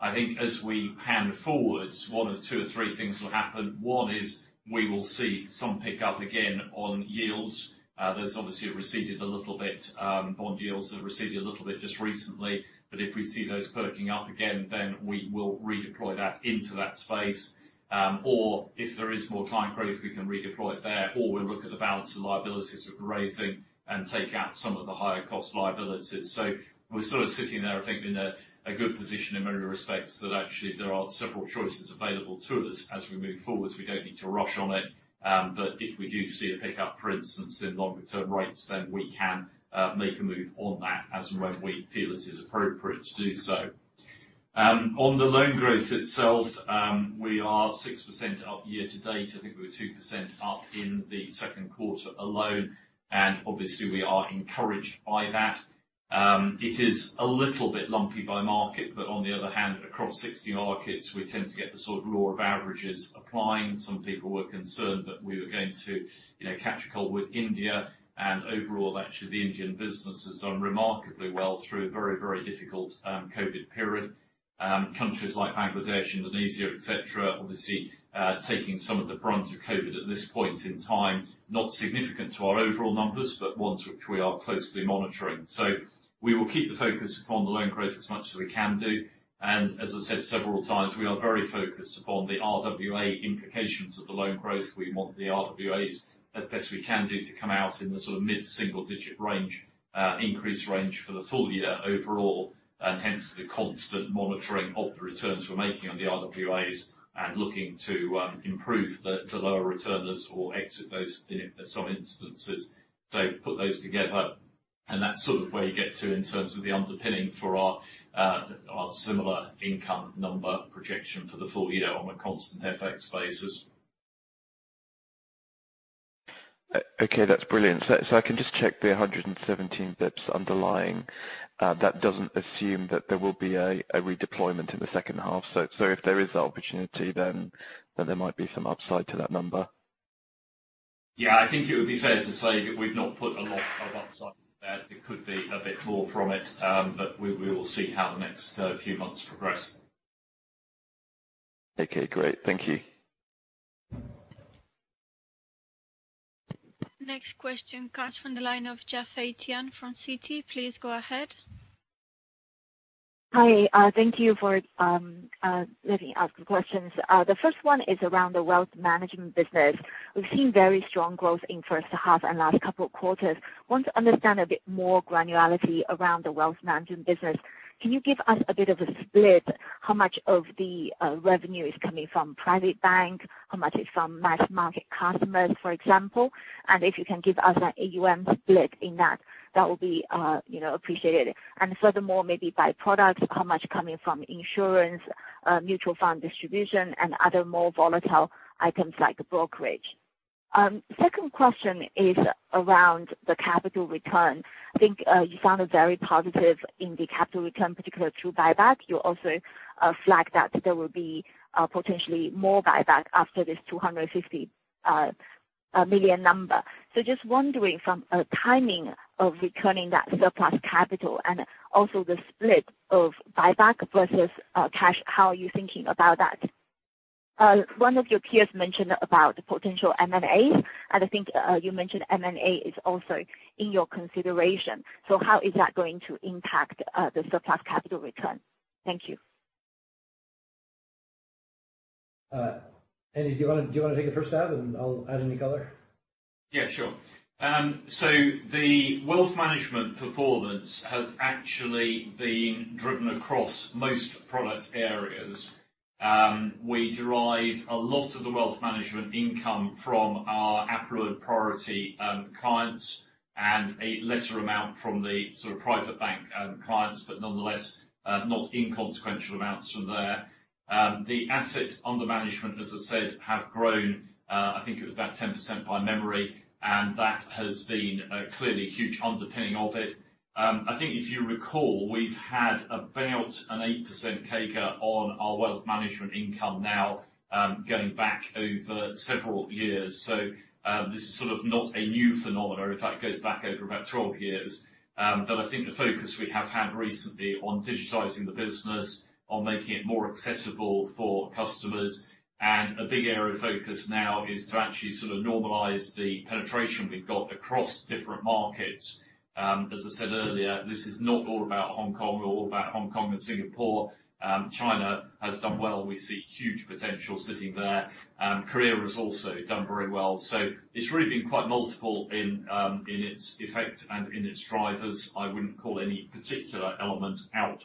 I think as we pan forwards, one of two or three things will happen. One, is we will see some pickup again on yields. Those obviously have receded a little bit. Bond yields have receded a little bit just recently. If we see those perking up again, then we will redeploy that into that space. If there is more client growth, we can redeploy it there. We look at the balance of liabilities that we're raising and take out some of the higher cost liabilities. We're sort of sitting there, I think, in a good position in many respects that actually there are several choices available to us as we move forwards. We don't need to rush on it. If we do see a pickup, for instance, in longer term rates, we can make a move on that as and when we feel it is appropriate to do so. On the loan growth itself, we are 6% up year-to-date. I think we were 2% up in the second quarter alone, and obviously we are encouraged by that. It is a little bit lumpy by market, on the other hand, across 60 markets, we tend to get the sort of law of averages applying. Some people were concerned that we were going to catch a cold with India. Overall, actually, the Indian business has done remarkably well through a very difficult COVID period. Countries like Bangladesh, Indonesia, et cetera, obviously taking some of the brunt of COVID at this point in time. Not significant to our overall numbers, but ones which we are closely monitoring. We will keep the focus upon the loan growth as much as we can do. As I said several times, we are very focused upon the RWA implications of the loan growth. We want the RWAs as best we can do to come out in the sort of mid-single-digit range, increase range for the full year overall. Hence the constant monitoring of the returns we're making on the RWAs and looking to improve the lower returners or exit those in some instances. Put those together, and that's sort of where you get to in terms of the underpinning for our similar income number projection for the full year on a constant FX basis. Okay, that's brilliant. I can just check the 117 basis points underlying. That doesn't assume that there will be a redeployment in the second half. If there is the opportunity, then there might be some upside to that number. Yeah, I think it would be fair to say that we've not put a lot of upside there. There could be a bit more from it, but we will see how the next few months progress. Okay, great. Thank you. Next question comes from the line of Yafei Tian from Citi. Please go ahead. Hi. Thank you for letting me ask the questions. The first one is around the Wealth Management business. We've seen very strong growth in first half and last couple of quarters. I want to understand a bit more granularity around the Wealth Management business. Can you give us a bit of a split, how much of the revenue is coming from private bank, how much is from mass market customers, for example? If you can give us an AUM split in that will be appreciated. Furthermore, maybe by products, how much coming from insurance, mutual fund distribution, and other more volatile items like brokerage. Second question is around the capital return. I think you sounded very positive in the capital return, particularly through buyback. You also flagged that there will be potentially more buyback after this $250 million number. Just wondering from a timing of returning that surplus capital and also the split of buyback versus cash, how are you thinking about that? One of your peers mentioned about potential M&As, and I think you mentioned M&A is also in your consideration. How is that going to impact the surplus capital return? Thank you. Andy, do you want to take a first stab and I'll add any color? Yeah, sure. The Wealth Management performance has actually been driven across most product areas. We derive a lot of the Wealth Management income from our affluent priority clients and a lesser amount from the private bank clients, but nonetheless, not inconsequential amounts from there. The asset under management, as I said, have grown. I think it was about 10% by memory, and that has been clearly a huge underpinning of it. I think if you recall, we've had about an 8% CAGR on our Wealth Management income now, going back over several years. This is sort of not a new phenomena. In fact, it goes back over about 12 years. I think the focus we have had recently on digitizing the business, on making it more accessible for customers. A big area of focus now is to actually sort of normalize the penetration we've got across different markets. As I said earlier, this is not all about Hong Kong or all about Hong Kong and Singapore. China has done well. We see huge potential sitting there. Korea has also done very well. It's really been quite multiple in its effect and in its drivers. I wouldn't call any particular element out.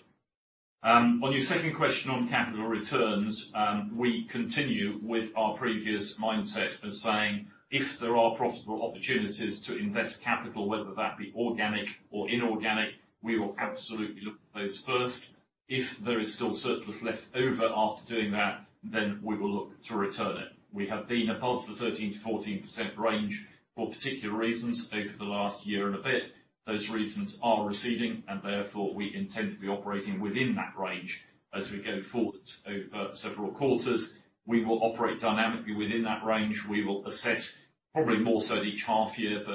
On your second question on capital returns, we continue with our previous mindset of saying if there are profitable opportunities to invest capital, whether that be organic or inorganic, we will absolutely look at those first. If there is still surplus left over after doing that, then we will look to return it. We have been above the 13%-14% range for particular reasons over the last year and a bit. Those reasons are receding, therefore we intend to be operating within that range as we go forward over several quarters. We will operate dynamically within that range. We will assess probably more so each half year,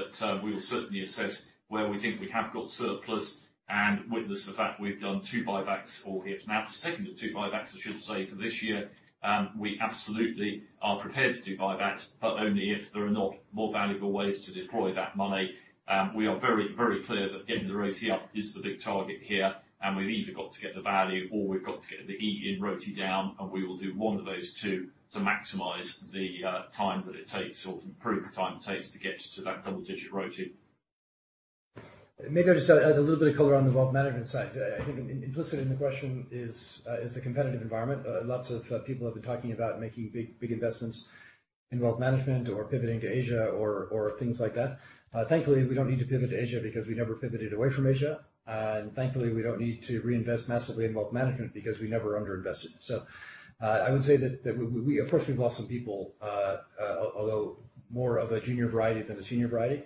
we will certainly assess where we think we have got surplus and witness the fact we've done two buybacks all here for now. The second of two buybacks, I should say, for this year. We absolutely are prepared to do buybacks, only if there are not more valuable ways to deploy that money. We are very, very clear that getting the ROTE up is the big target here. We've either got to get the value or we've got to get the E in ROTE down. We will do one of those two to maximize the time that it takes or improve the time it takes to get to that double-digit ROTE. Maybe I'll just add a little bit of color on the Wealth Management side. I think implicit in the question is the competitive environment. Lots of people have been talking about making big investments in Wealth Management or pivoting to Asia or things like that. Thankfully, we don't need to pivot to Asia because we never pivoted away from Asia. Thankfully, we don't need to reinvest massively in Wealth Management because we never under-invested. I would say that we, of course, we've lost some people, although more of a junior variety than a senior variety.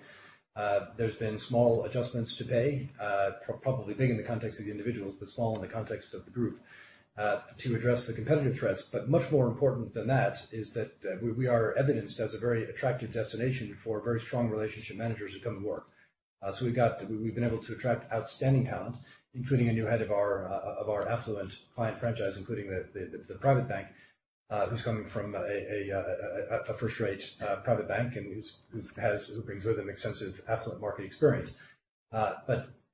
There's been small adjustments to pay, probably big in the context of the individuals, but small in the context of the group, to address the competitive threats. Much more important than that is that we are evidenced as a very attractive destination for very strong relationship managers who come to work. We've been able to attract outstanding talent, including a new head of our affluent client franchise, including the private bank, who's coming from a first-rate private bank and who brings with him extensive affluent market experience.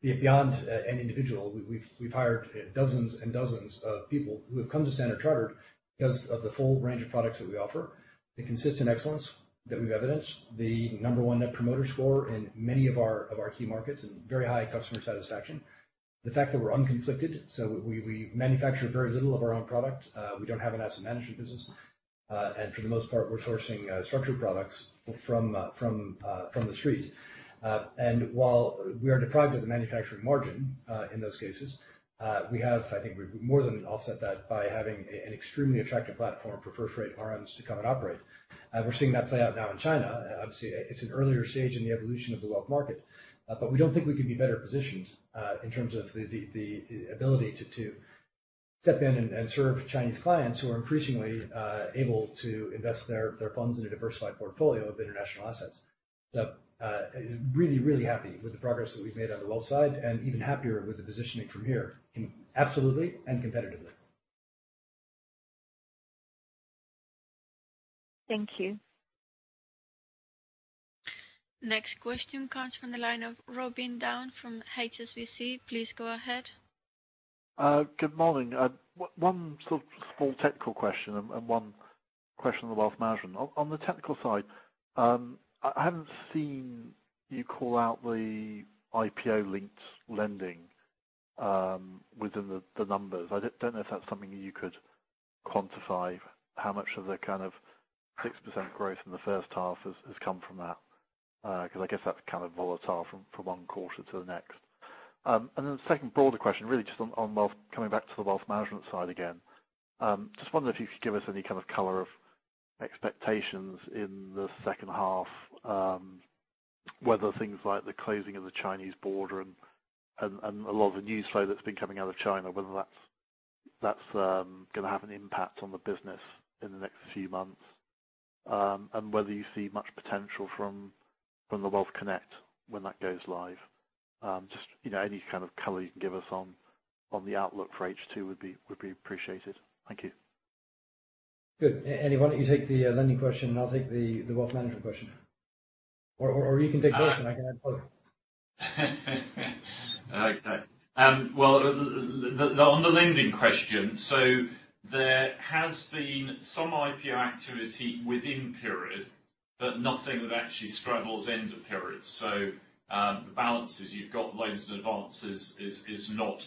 Beyond any individual, we've hired dozens and dozens of people who have come to Standard Chartered because of the full range of products that we offer, the consistent excellence that we've evidenced, the number one Net Promoter Score in many of our key markets, and very high customer satisfaction. The fact that we're unconflicted, so we manufacture very little of our own product. We don't have an asset management business. For the most part, we're sourcing structured products from the street. While we are deprived of the manufacturing margin, in those cases, I think we've more than offset that by having an extremely attractive platform for first rate RMs to come and operate. We're seeing that play out now in China. Obviously, it's an earlier stage in the evolution of the wealth market. We don't think we can be better positioned, in terms of the ability to step in and serve Chinese clients who are increasingly able to invest their funds in a diversified portfolio of international assets. Really, really happy with the progress that we've made on the wealth side, and even happier with the positioning from here. Absolutely and competitively. Thank you. Thank you. Next question comes from the line of Robin Down from HSBC. Please go ahead. Good morning. One sort of small technical question and one question on the Wealth Management. On the technical side, I haven't seen you call out the IPO-linked lending within the numbers. I don't know if that's something you could quantify, how much of the kind of 6% growth in the first half has come from that. I guess that's kind of volatile from one quarter to the next. The second broader question, really just on coming back to the Wealth Management side again. Just wondering if you could give us any kind of color of expectations in the second half, whether things like the closing of the Chinese border and a lot of the news flow that's been coming out of China, whether that's going to have an impact on the business in the next few months. Whether you see much potential from the Wealth Connect when that goes live. Just any kind of color you can give us on the outlook for H2 would be appreciated. Thank you. Good. Andy, why don't you take the lending question, and I'll take the Wealth Management question? You can take both, and I can add color. Well, on the lending question. There has been some IPO activity within period, but nothing that actually straddles end of period. The balances you've got loans and advances is not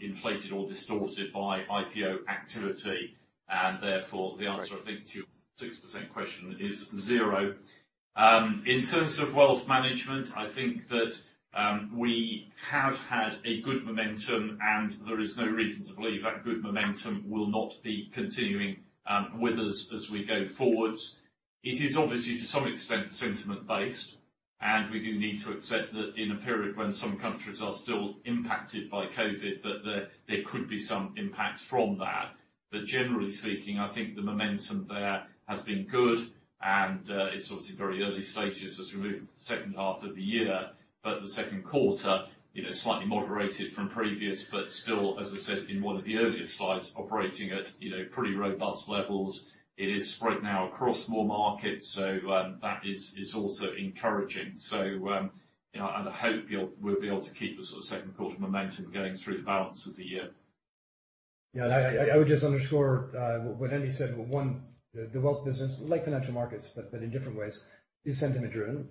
inflated or distorted by IPO activity. Therefore, the answer I think to your 6% question is zero. In terms of Wealth Management, I think that we have had a good momentum, and there is no reason to believe that good momentum will not be continuing with us as we go forwards. It is obviously, to some extent, sentiment based, and we do need to accept that in a period when some countries are still impacted by COVID, that there could be some impacts from that. Generally speaking, I think the momentum there has been good, and it's obviously very early stages as we move into the second half of the year. The second quarter, slightly moderated from previous, but still, as I said in one of the earlier slides, operating at pretty robust levels. It is spread now across more markets, so that is also encouraging. I hope we'll be able to keep the sort of second quarter momentum going through the balance of the year. Yeah. I would just underscore what Andy said. One, the wealth business, like financial markets, but in different ways, is sentiment driven.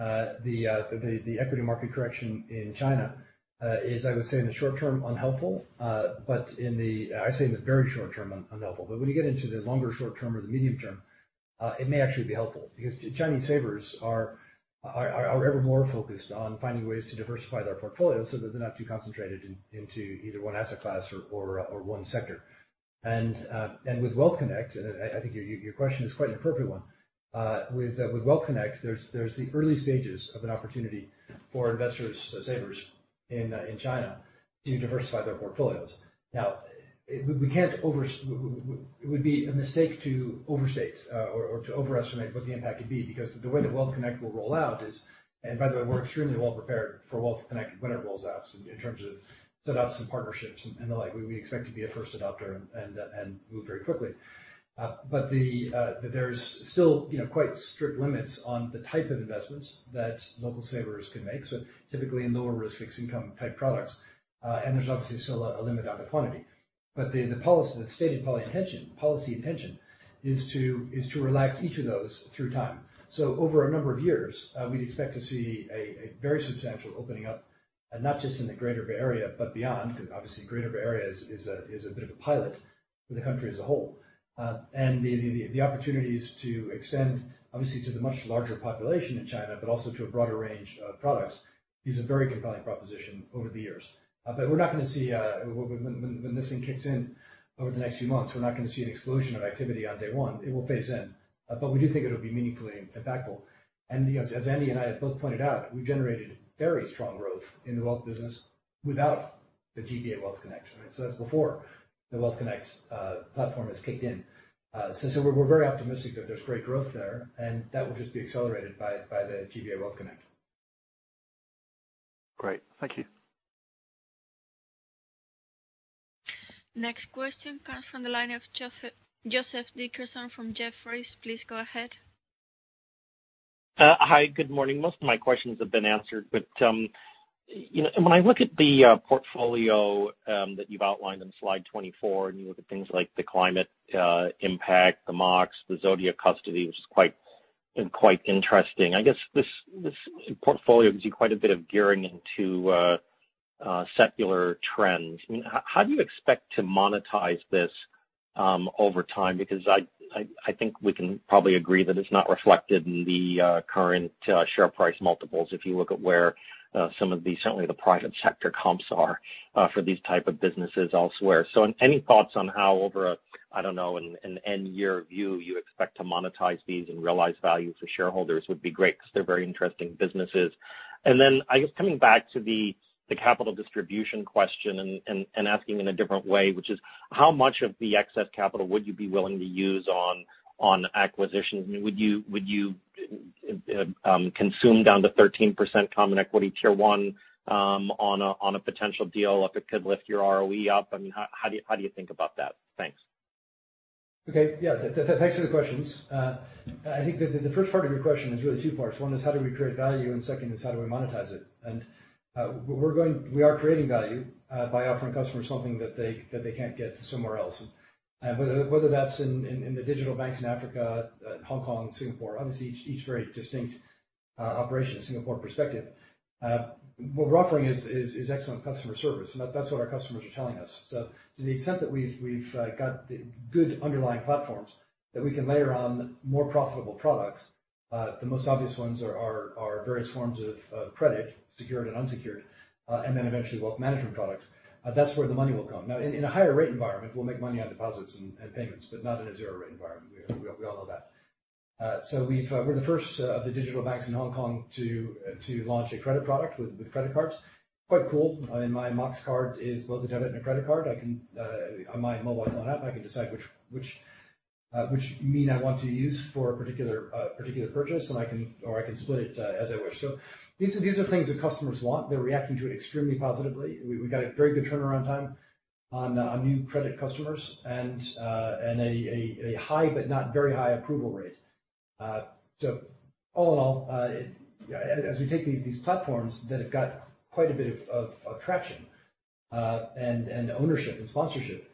The equity market correction in China, is I would say in the short term unhelpful, I say in the very short term unhelpful. When you get into the longer short term or the medium term, it may actually be helpful because Chinese savers are ever more focused on finding ways to diversify their portfolio so that they're not too concentrated into either one asset class or one sector. Wealth Management Connect, and I think your question is quite an appropriate one. Wealth Management Connect, there's the early stages of an opportunity for investors, savers in China to diversify their portfolios. It would be a mistake to overstate or to overestimate what the impact could be, because the way that Wealth Connect will roll out is. By the way, we're extremely well prepared for Wealth Connect when it rolls out in terms of setups and partnerships and the like. We expect to be a first adopter and move very quickly. There's still quite strict limits on the type of investments that local savers can make. Typically in lower risk fixed income type products. There's obviously still a limit on the quantity. The policy, the stated policy intention is to relax each of those through time. Over a number of years, we'd expect to see a very substantial opening up, and not just in the Greater Bay Area but beyond. Because obviously Greater Bay Area is a bit of a pilot for the country as a whole. The opportunities to extend, obviously to the much larger population in China, but also to a broader range of products, is a very compelling proposition over the years. We're not going to see, when this thing kicks in over the next few months, we're not going to see an explosion of activity on day one. It will phase in. We do think it'll be meaningfully impactful. As Andy and I have both pointed out, we've generated very strong growth in the wealth business without the GBA Wealth Connect. That's before the Wealth Connect platform has kicked in. We're very optimistic that there's great growth there, and that will just be accelerated by the GBA Wealth Connect. Great. Thank you. Next question comes from the line of Joseph Dickerson from Jefferies. Please go ahead. Hi. Good morning. Most of my questions have been answered. When I look at the portfolio that you've outlined on slide 24, you look at things like the climate impact, the Mox, the Zodia Custody, which is quite interesting. I guess this portfolio gives you quite a bit of gearing into secular trends. How do you expect to monetize this over time? I think we can probably agree that it's not reflected in the current share price multiples, if you look at where some of the, certainly the private sector comps are for these type of businesses elsewhere. Any thoughts on how over a, I don't know, an N-year view, you expect to monetize these and realize value for shareholders would be great, because they're very interesting businesses. Then I guess coming back to the capital distribution question and asking in a different way, which is, how much of the excess capital would you be willing to use on acquisitions? Would you consume down to 13% Common Equity Tier 1 on a potential deal if it could lift your ROE up? How do you think about that? Thanks. Okay. Yeah. Thanks for the questions. I think that the first part of your question is really two parts. One is how do we create value, and second is how do we monetize it. We are creating value by offering customers something that they can't get somewhere else. Whether that's in the digital banks in Africa, Hong Kong, Singapore, obviously each very distinct operation, Singapore perspective. What we're offering is excellent customer service, and that's what our customers are telling us. To the extent that we've got the good underlying platforms that we can layer on more profitable products. The most obvious ones are various forms of credit, secured and unsecured, and then eventually Wealth Management products. That's where the money will come. Now, in a higher rate environment, we'll make money on deposits and payments, but not in a zero rate environment. We all know that. We're the first of the digital banks in Hong Kong to launch a credit product with credit cards. Quite cool. My Mox card is both a debit and a credit card. On my mobile phone app, I can decide which mean I want to use for a particular purchase, or I can split it as I wish. These are things that customers want. They're reacting to it extremely positively. We got a very good turnaround time on new credit customers and a high but not very high approval rate. All in all, as we take these platforms that have got quite a bit of traction and ownership and sponsorship,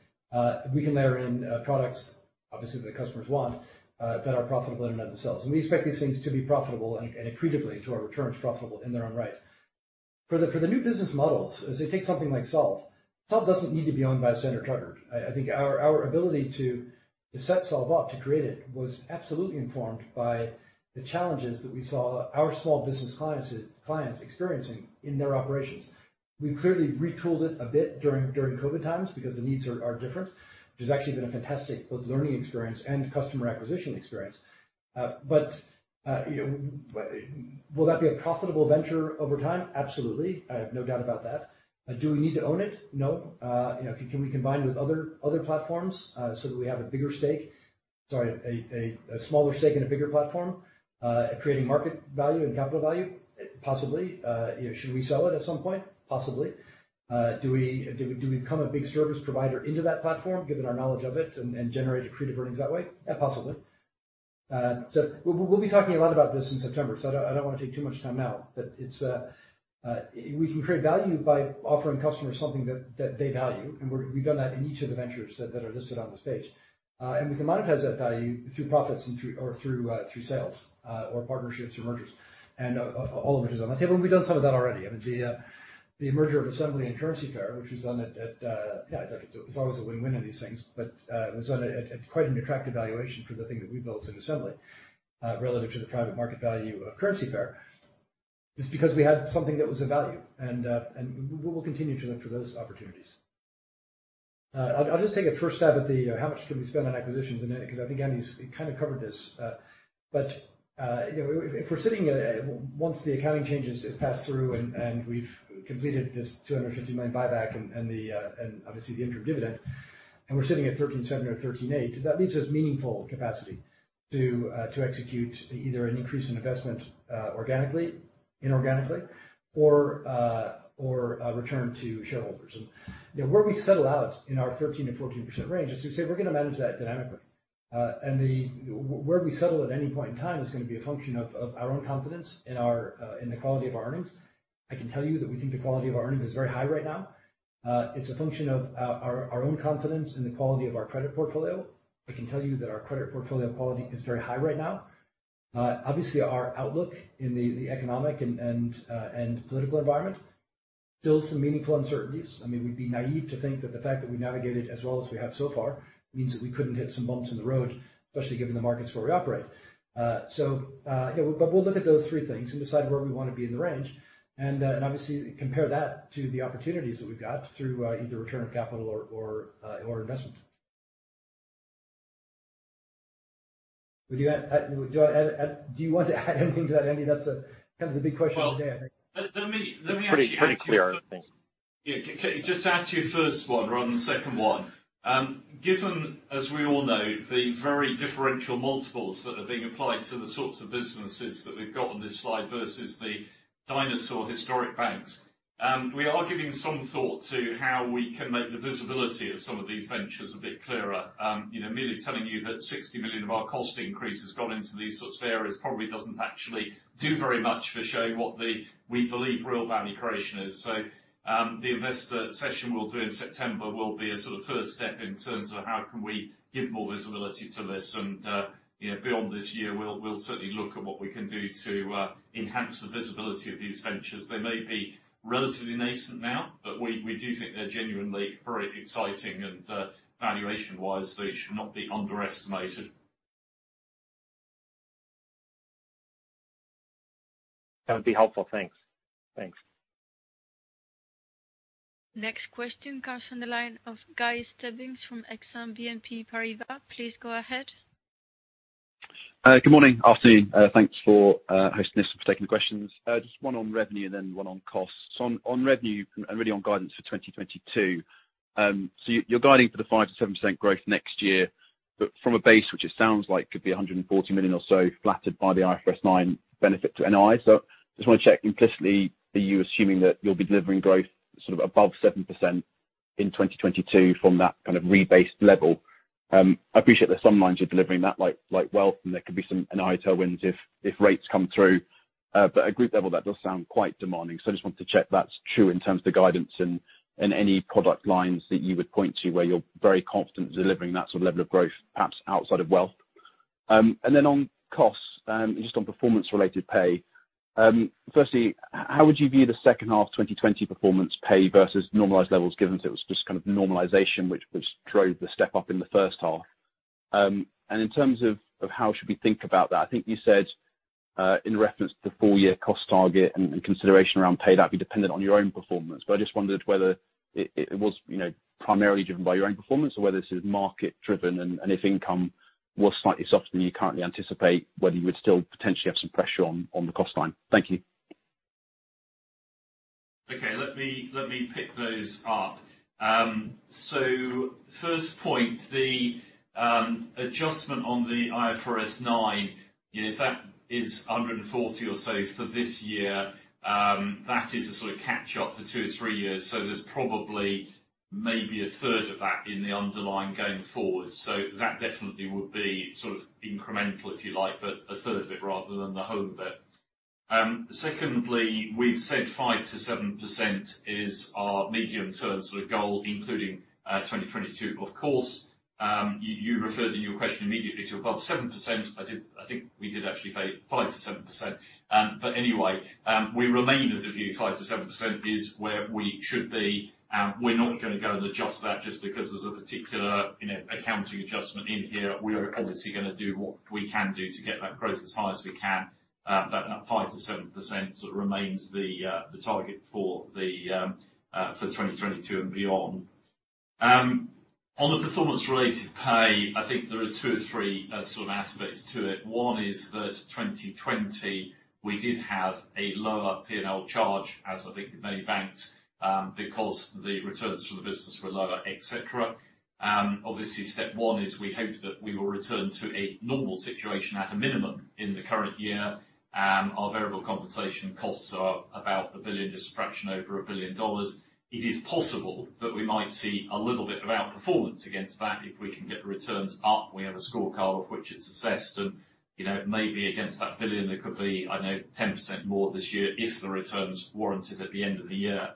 we can layer in products, obviously, that customers want, that are profitable in and of themselves. We expect these things to be profitable and accretively to our returns profitable in their own right. For the new business models, as they take something like Solv. Solv doesn't need to be owned by Standard Chartered. I think our ability to set Solv up, to create it, was absolutely informed by the challenges that we saw our small business clients experiencing in their operations. We clearly retooled it a bit during COVID times because the needs are different, which has actually been a fantastic both learning experience and customer acquisition experience. Will that be a profitable venture over time? Absolutely. I have no doubt about that. Do we need to own it? No. Can we combine with other platforms so that we have a bigger stake? Sorry, a smaller stake in a bigger platform, creating market value and capital value? Possibly. Should we sell it at some point? Possibly. Do we become a big service provider into that platform, given our knowledge of it, and generate accretive earnings that way? Possibly. We'll be talking a lot about this in September, so I don't want to take too much time now. We can create value by offering customers something that they value, and we've done that in each of the ventures that are listed on this page. We can monetize that value through profits or through sales or partnerships or mergers, and all of which is on the table. We've done some of that already. I mean, the merger of Assembly and CurrencyFair, which was done at, yeah, it's always a win-win of these things, but it was done at quite an attractive valuation for the thing that we built in Assembly, relative to the private market value of CurrencyFair. It's because we had something that was of value, and we'll continue to look for those opportunities. I'll just take a first stab at the how much could we spend on acquisitions because I think Andy Halford's kind of covered this. If we're sitting at, once the accounting changes have passed through and we've completed this $250 million buyback and obviously the interim dividend, and we're sitting at 13.7% or 13.8%, that leaves us meaningful capacity to execute either an increase in investment organically, inorganically, or a return to shareholders. Where we settle out in our 13%-14% range, as we said, we're going to manage that dynamically. Where we settle at any point in time is going to be a function of our own confidence in the quality of our earnings. I can tell you that we think the quality of our earnings is very high right now. It's a function of our own confidence in the quality of our credit portfolio. I can tell you that our credit portfolio quality is very high right now. Obviously, our outlook in the economic and political environment still some meaningful uncertainties. I mean, we'd be naive to think that the fact that we navigated as well as we have so far means that we couldn't hit some bumps in the road, especially given the markets where we operate. We'll look at those three things and decide where we want to be in the range, and obviously compare that to the opportunities that we've got through either return of capital or investment. Do you want to add anything to that, Andy? That's kind of the big question of the day, I think. Pretty clear, I think. Yeah. Just to add to your first one rather than the second one. Given, as we all know, the very differential multiples that are being applied to the sorts of businesses that we've got on this slide versus the dinosaur historic banks, we are giving some thought to how we can make the visibility of some of these ventures a bit clearer. Merely telling you that $60 million of our cost increase has gone into these sorts of areas probably doesn't actually do very much for showing what we believe real value creation is. The investor session we'll do in September will be a sort of first step in terms of how can we give more visibility to this. Beyond this year, we'll certainly look at what we can do to enhance the visibility of these ventures. They may be relatively nascent now. We do think they're genuinely very exciting and valuation wise, they should not be underestimated. That would be helpful. Thanks. Next question comes from the line of Guy Stebbings from Exane BNP Paribas. Please go ahead. Good morning. Thanks for hosting this, for taking the questions. Just one on revenue, then one on costs. On revenue and really on guidance for 2022. You're guiding for the 5%-7% growth next year. From a base, which it sounds like could be $140 million or so, flattered by the IFRS 9 benefit to NII. Just want to check implicitly, are you assuming that you'll be delivering growth sort of above 7% in 2022 from that kind of rebased level? I appreciate there's some lines you're delivering that like Wealth, and there could be some NII tailwinds if rates come through. At group level, that does sound quite demanding. I just wanted to check that's true in terms of the guidance and any product lines that you would point to where you're very confident delivering that sort of level of growth, perhaps outside of Wealth. On costs, just on performance-related pay. Firstly, how would you view the second half 2020 performance pay versus normalized levels, given it was just kind of normalization, which drove the step up in the first half? In terms of how should we think about that. I think you said, in reference to the full year cost target and consideration around pay, that'd be dependent on your own performance. I just wondered whether it was primarily driven by your own performance or whether this is market driven. If income was slightly softer than you currently anticipate, whether you would still potentially have some pressure on the cost line. Thank you. Okay. Let me pick those up. First point, the adjustment on the IFRS 9, if that is $140 million or so for this year, that is a sort of catch up for two or three years. There's probably maybe a third of that in the underlying going forward. That definitely would be sort of incremental, if you like, but a third of it rather than the whole bit. Secondly, we've said 5%-7% is our medium-term sort of goal, including 2022. Of course, you referred in your question immediately to above 7%. I think we did actually say 5%-7%. Anyway, we remain of the view 5%-7% is where we should be. We're not going to go and adjust that just because there's a particular accounting adjustment in here. We are obviously going to do what we can do to get that growth as high as we can. That 5%-7% remains the target for 2022 and beyond. On the performance-related pay, I think there are two or three sort of aspects to it. One is that 2020, we did have a lower P&L charge, as I think many banks, because the returns for the business were lower, et cetera. Obviously, step one is we hope that we will return to a normal situation at a minimum in the current year. Our variable compensation costs are about $1 billion, just a fraction over $1 billion. It is possible that we might see a little bit of outperformance against that if we can get the returns up. We have a scorecard of which it's assessed. Maybe against that $1 billion, there could be 10% more this year if the returns warranted at the end of the year.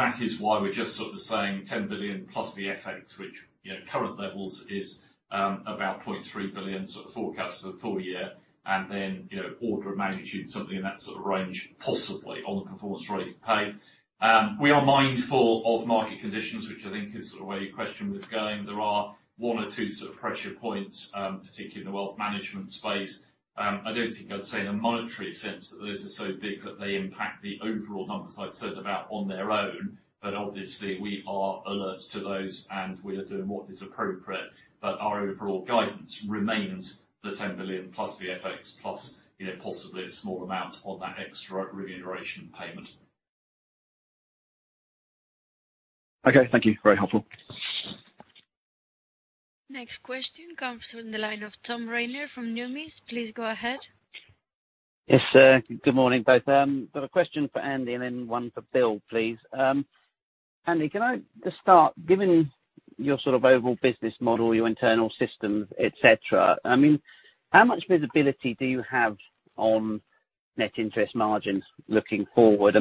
That is why we're just sort of saying $10 billion plus the FX, which current levels is about $0.3 billion forecast for the full year. Order of magnitude, something in that sort of range, possibly on the performance-related pay. We are mindful of market conditions, which I think is sort of where your question was going. There are one or two sort of pressure points, particularly in the Wealth Management space. I don't think I'd say in a monetary sense that those are so big that they impact the overall numbers I've talked about on their own. Obviously we are alert to those, and we are doing what is appropriate. Our overall guidance remains the $10 billion plus the FX plus possibly a small amount on that extra remuneration payment. Okay. Thank you. Very helpful. Next question comes from the line of Tom Rayner from Numis. Please go ahead. Yes. Good morning, both. Got a question for Andy and then one for Bill, please. Andy, can I just start, given your sort of overall business model, your internal systems, et cetera, how much visibility do you have on net interest margins looking forward?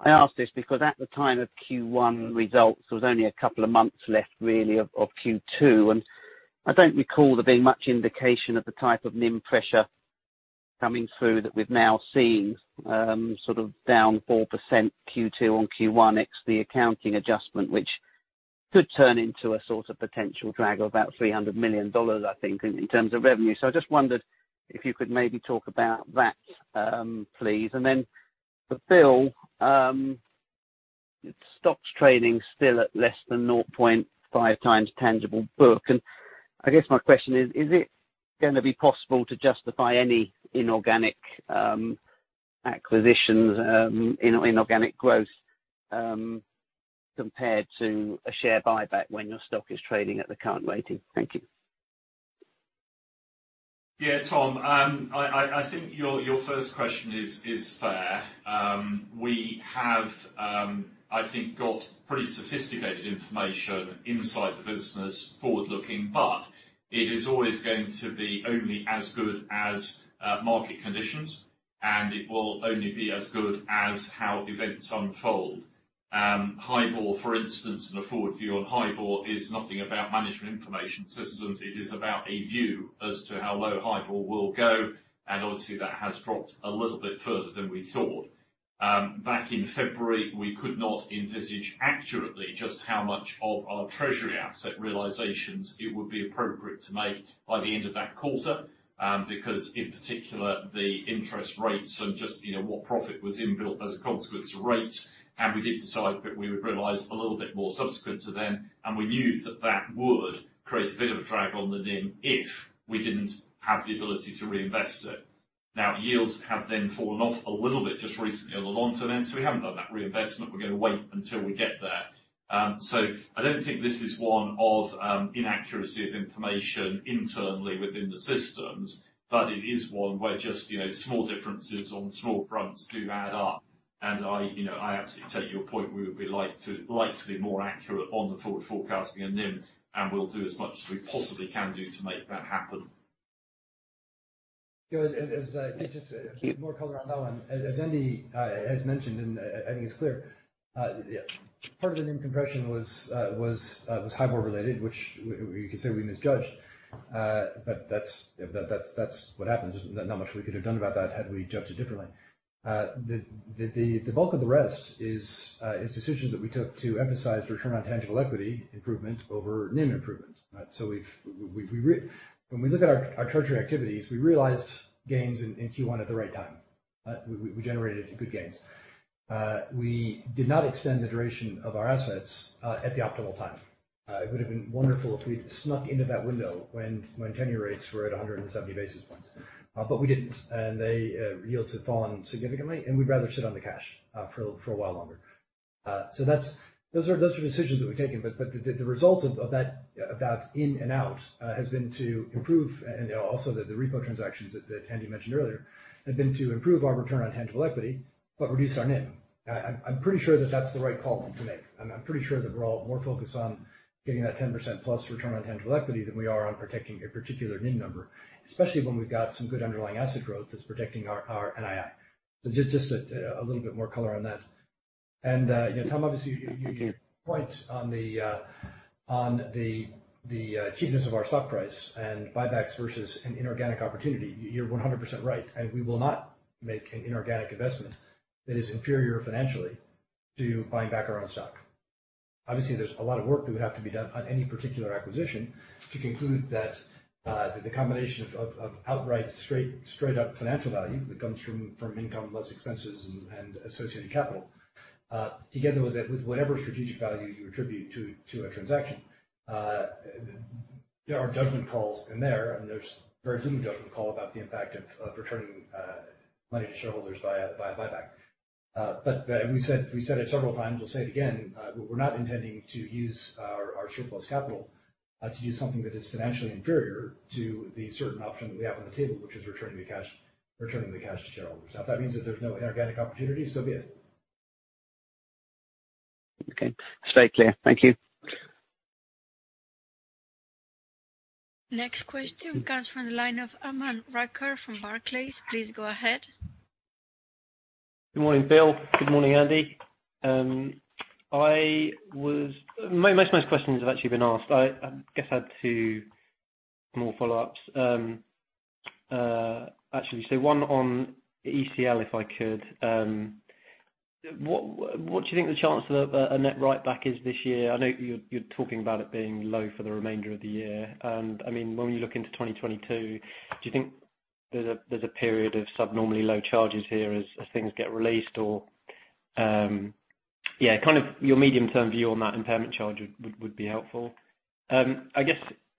I ask this because at the time of Q1 results, there was only a couple of months left really of Q2, and I don't recall there being much indication of the type of NIM pressure coming through that we've now seen sort of down 4% Q2 on Q1, ex the accounting adjustment. Which could turn into a sort of potential drag of about $300 million, I think, in terms of revenue. I just wondered if you could maybe talk about that, please. For Bill, stock's trading still at less than 0.5x tangible book. I guess my question is: Is it going to be possible to justify any inorganic acquisitions, inorganic growth compared to a share buyback when your stock is trading at the current rating? Thank you. Yeah. Tom. I think your first question is fair. We have, I think, got pretty sophisticated information inside the business forward-looking, but it is always going to be only as good as market conditions, and it will only be as good as how events unfold. HIBOR, for instance, and a forward view on HIBOR is nothing about management information systems. It is about a view as to how low HIBOR will go. Obviously that has dropped a little bit further than we thought. Back in February, we could not envisage accurately just how much of our treasury asset realizations it would be appropriate to make by the end of that quarter, because in particular, the interest rates and just what profit was inbuilt as a consequence of rates. We did decide that we would realize a little bit more subsequent to then, and we knew that that would create a bit of a drag on the NIM if we didn't have the ability to reinvest it. Yields have then fallen off a little bit just recently on the long term end, so we haven't done that reinvestment. We're going to wait until we get there. I don't think this is one of inaccuracy of information internally within the systems, but it is one where just small differences on small fronts do add up. I absolutely take your point. We would like to be more accurate on the forward forecasting and NIM, and we'll do as much as we possibly can do to make that happen. Just more color on that one. As Andy has mentioned, and I think it's clear, part of the NIM compression was HIBOR related, which you could say we misjudged. That's what happens. There's not much we could have done about that had we judged it differently. The bulk of the rest is decisions that we took to emphasize return on tangible equity improvement over NIM improvements. When we look at our treasury activities, we realized gains in Q1 at the right time. We generated good gains. We did not extend the duration of our assets at the optimal time. It would have been wonderful if we'd snuck into that window when 10-year rates were at 170 basis points. We didn't, and the yields have fallen significantly, and we'd rather sit on the cash for a while longer. Those are decisions that we've taken. The result of that in and out has been to improve, and also the repo transactions that Andy mentioned earlier, have been to improve our return on tangible equity but reduce our NIM. I'm pretty sure that that's the right call to make. I'm pretty sure that we're all more focused on getting that 10%+ return on tangible equity than we are on protecting a particular NIM number, especially when we've got some good underlying asset growth that's protecting our NII. Just a little bit more color on that. Tom, obviously, your point on the cheapness of our stock price and buybacks versus an inorganic opportunity, you're 100% right. We will not make an inorganic investment that is inferior financially to buying back our own stock. Obviously, there's a lot of work that would have to be done on any particular acquisition to conclude that the combination of outright straight up financial value that comes from income less expenses and associated capital, together with whatever strategic value you attribute to a transaction. There are judgment calls in there, and there's a very human judgment call about the impact of returning money to shareholders via buyback. We said it several times, we'll say it again, we're not intending to use our surplus capital to do something that is financially inferior to the certain option that we have on the table, which is returning the cash to shareholders. If that means that there's no inorganic opportunity, so be it. Okay. Straight clear. Thank you. Next question comes from the line of Aman Rakkar from Barclays. Please go ahead. Good morning, Bill. Good morning, Andy. Most of my questions have actually been asked. I guess I have two more follow-ups. Actually, one on ECL, if I could. What do you think the chance of a net writeback is this year? I know you're talking about it being low for the remainder of the year. When you look into 2022, do you think there's a period of subnormally low charges here as things get released or kind of your medium-term view on that impairment charge would be helpful. I guess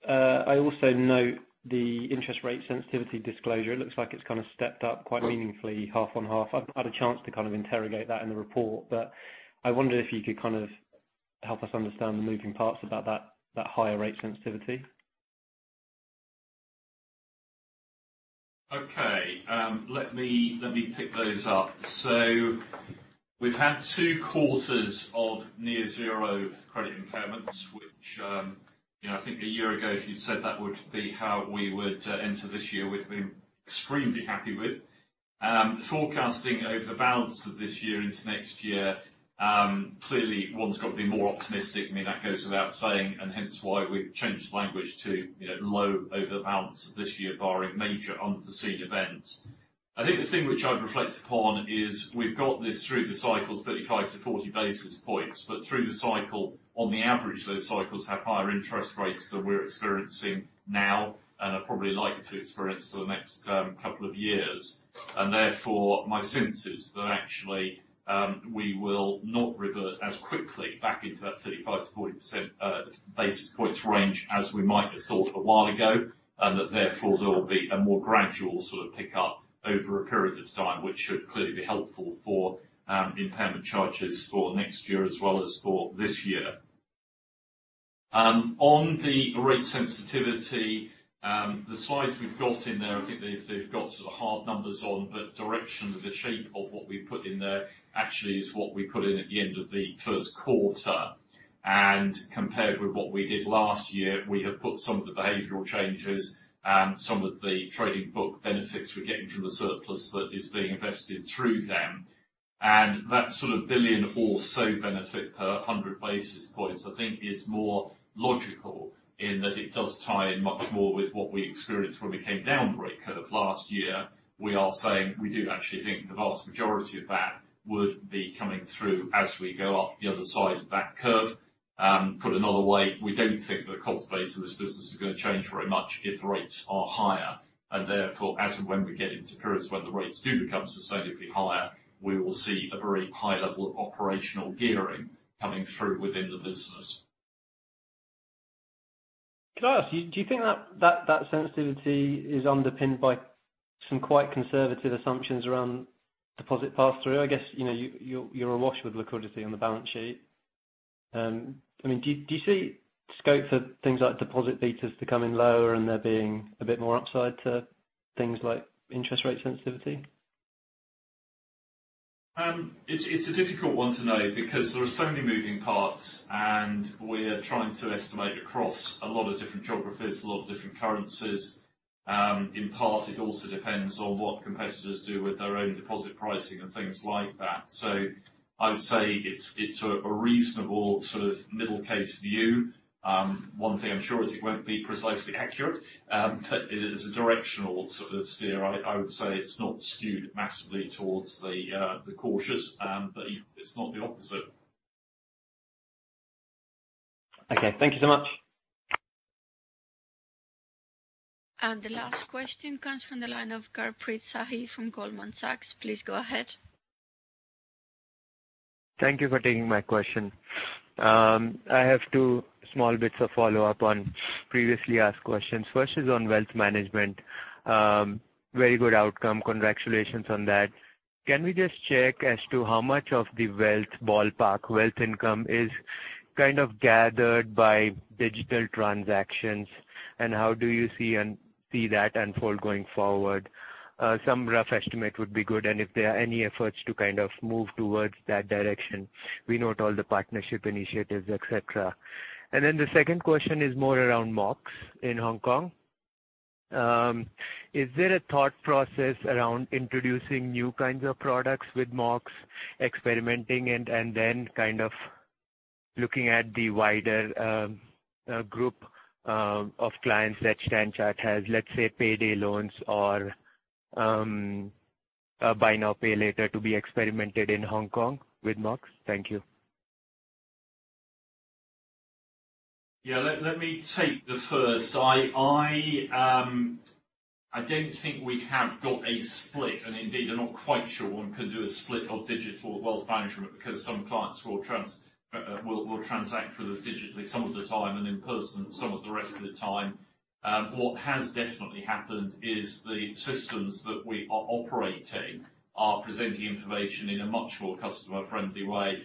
I also note the interest rate sensitivity disclosure. It looks like it's kind of stepped up quite meaningfully half on half. I've not had a chance to interrogate that in the report, but I wonder if you could kind of help us understand the moving parts about that higher rate sensitivity. Okay. Let me pick those up. We've had two quarters of near zero credit impairments, which I think a year ago, if you'd said that would be how we would enter this year, we'd have been extremely happy with. Forecasting over the balance of this year into next year, clearly, one's got to be more optimistic. That goes without saying, hence why we've changed the language to low over the balance of this year, barring major unforeseen events. I think the thing which I would reflect upon is we've got this through the cycle 35 to 40 basis points. Through the cycle, on the average, those cycles have higher interest rates than we're experiencing now and are probably likely to experience for the next couple of years. Therefore, my sense is that actually, we will not revert as quickly back into that 35 basis points-40 basis points range as we might have thought a while ago, and that therefore there will be a more gradual sort of pick up over a period of time, which should clearly be helpful for impairment charges for next year as well as for this year. On the rate sensitivity, the slides we've got in there, I think they've got sort of hard numbers on, Direction of the shape of what we put in there actually is what we put in at the end of the first quarter. Compared with what we did last year, we have put some of the behavioral changes and some of the trading book benefits we're getting from the surplus that is being invested through them. That sort of $1 billion or so benefit per 100 basis points, I think is more logical in that it does tie in much more with what we experienced when we came down, kind of last year, we are saying we do actually think the vast majority of that would be coming through as we go up the other side of that curve. Put another way, we don't think the cost base of this business is going to change very much if rates are higher. Therefore, as and when we get into periods when the rates do become sustainably higher, we will see a very high level of operational gearing coming through within the business. Can I ask you, do you think that sensitivity is underpinned by some quite conservative assumptions around deposit pass-through? I guess you're awash with liquidity on the balance sheet. Do you see scope for things like deposit betas to come in lower and there being a bit more upside to things like interest rate sensitivity? It's a difficult one to know because there are so many moving parts, and we're trying to estimate across a lot of different geographies, a lot of different currencies. In part, it also depends on what competitors do with their own deposit pricing and things like that. I would say it's a reasonable middle case view. One thing I'm sure is it won't be precisely accurate, but it is a directional steer. I would say it's not skewed massively towards the cautious, but it's not the opposite. Okay. Thank you so much. The last question comes from the line of Gurpreet Sahi from Goldman Sachs. Please go ahead. Thank you for taking my question. I have two small bits of follow-up on previously asked questions. First is on Wealth Management. Very good outcome. Congratulations on that. Can we just check as to how much of the wealth ballpark, wealth income is kind of gathered by digital transactions, and how do you see that unfold going forward? Some rough estimate would be good, and if there are any efforts to kind of move towards that direction. We note all the partnership initiatives, et cetera. The second question is more around Mox in Hong Kong. Is there a thought process around introducing new kinds of products with Mox, experimenting and then kind of looking at the wider group of clients that Standard Chartered has, let's say, payday loans or buy now, pay later to be experimented in Hong Kong with Mox? Thank you. Let me take the first. I don't think we have got a split and indeed I'm not quite sure one can do a split of digital Wealth Management because some clients will transact with us digitally some of the time and in person some of the rest of the time. What has definitely happened is the systems that we are operating are presenting information in a much more customer-friendly way.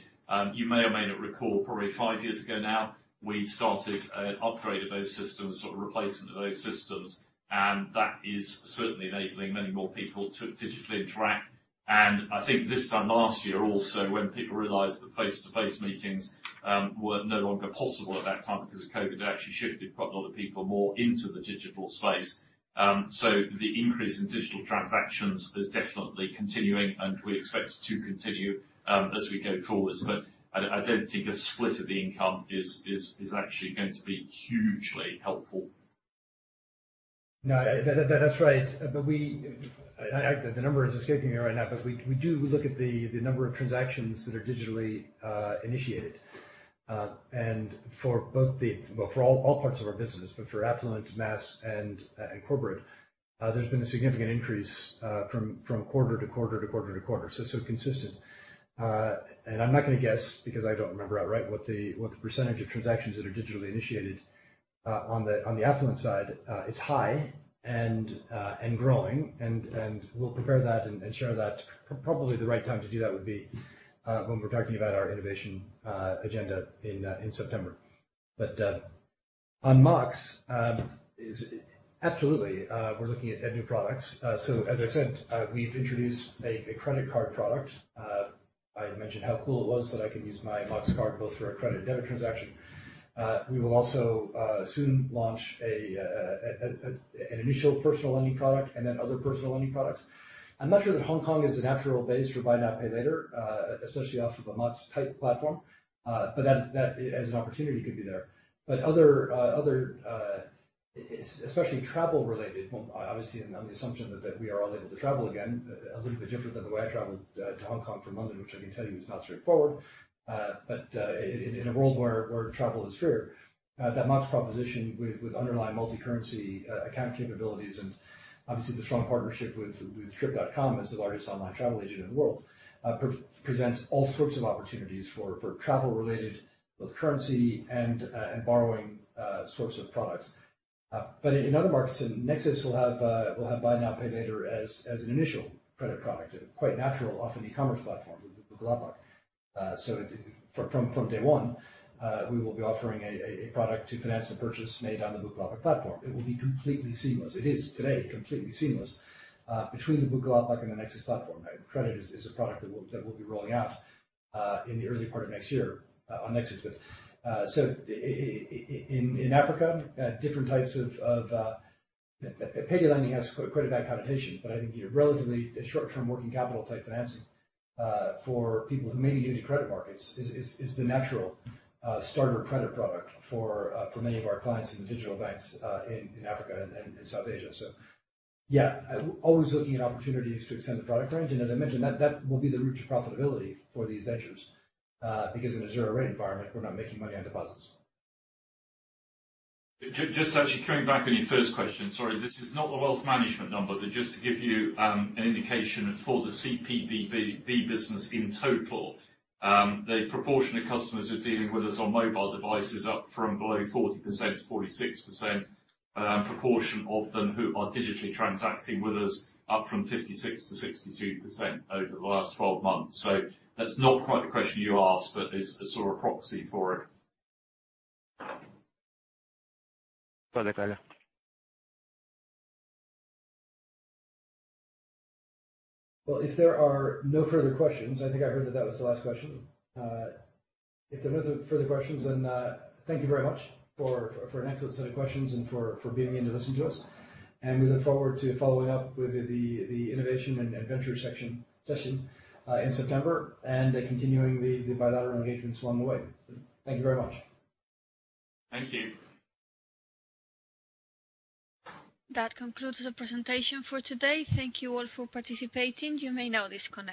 You may or may not recall, probably 5 years ago now, we started an upgrade of those systems, sort of replacement of those systems. That is certainly enabling many more people to digitally interact. I think this time last year also, when people realized that face-to-face meetings were no longer possible at that time because of COVID, actually shifted quite a lot of people more into the digital space. The increase in digital transactions is definitely continuing, and we expect it to continue as we go forwards. I don't think a split of the income is actually going to be hugely helpful. No, that's right. The number is escaping me right now, but we do look at the number of transactions that are digitally initiated. For all parts of our business, but for affluent, mass, and corporate, there's been a significant increase from quarter to quarter to quarter to quarter, so it's sort of consistent. I'm not going to guess because I don't remember outright what the percentage of transactions that are digitally initiated. On the affluent side, it's high and growing, and we'll prepare that and share that. Probably the right time to do that would be when we're talking about our innovation agenda in September. On Mox, absolutely, we're looking at new products. As I said, we've introduced a credit card product. I had mentioned how cool it was that I could use my Mox card both for a credit and debit transaction. We will also soon launch an initial personal lending product and then other personal lending products. I'm not sure that Hong Kong is a natural base for buy now, pay later, especially off of a Mox type platform, but that as an opportunity could be there. Other, especially travel related, obviously on the assumption that we are all able to travel again, a little bit different than the way I traveled to Hong Kong from London, which I can tell you is not straightforward. In a world where travel is freer, that Mox proposition with underlying multicurrency account capabilities and obviously the strong partnership with Trip.com as the largest online travel agent in the world, presents all sorts of opportunities for travel related, both currency and borrowing sorts of products. In other markets, nexus will have buy now, pay later as an initial credit product, quite natural off an e-commerce platform with Bukalapak. From day one, we will be offering a product to finance the purchase made on the Bukalapak platform. It will be completely seamless. It is today, completely seamless between the Bukalapak and the nexus platform. Credit is a product that we'll be rolling out in the early part of next year on nexus. In Africa, different types of payday lending has quite a bad connotation, but I think your relatively short-term working capital type financing for people who may be new to credit markets is the natural starter credit product for many of our clients in the digital banks in Africa and South Asia. Yeah, always looking at opportunities to extend the product range. As I mentioned, that will be the route to profitability for these ventures, because in a zero rate environment, we're not making money on deposits. Just actually coming back on your first question, sorry, this is not the Wealth Management number, but just to give you an indication for the CPBB business in total, the proportion of customers who are dealing with us on mobile devices up from below 40% to 46%, proportion of them who are digitally transacting with us up from 56% to 62% over the last 12 months. That's not quite the question you asked, but it's a sort of proxy for it. Perfect. Well, if there are no further questions, I think I heard that that was the last question. If there are no further questions, thank you very much for an excellent set of questions and for being in to listen to us. We look forward to following up with the innovation and venture session in September and continuing the bilateral engagements along the way. Thank you very much. Thank you. That concludes the presentation for today. Thank Thank you all for participating. You may now disconnect.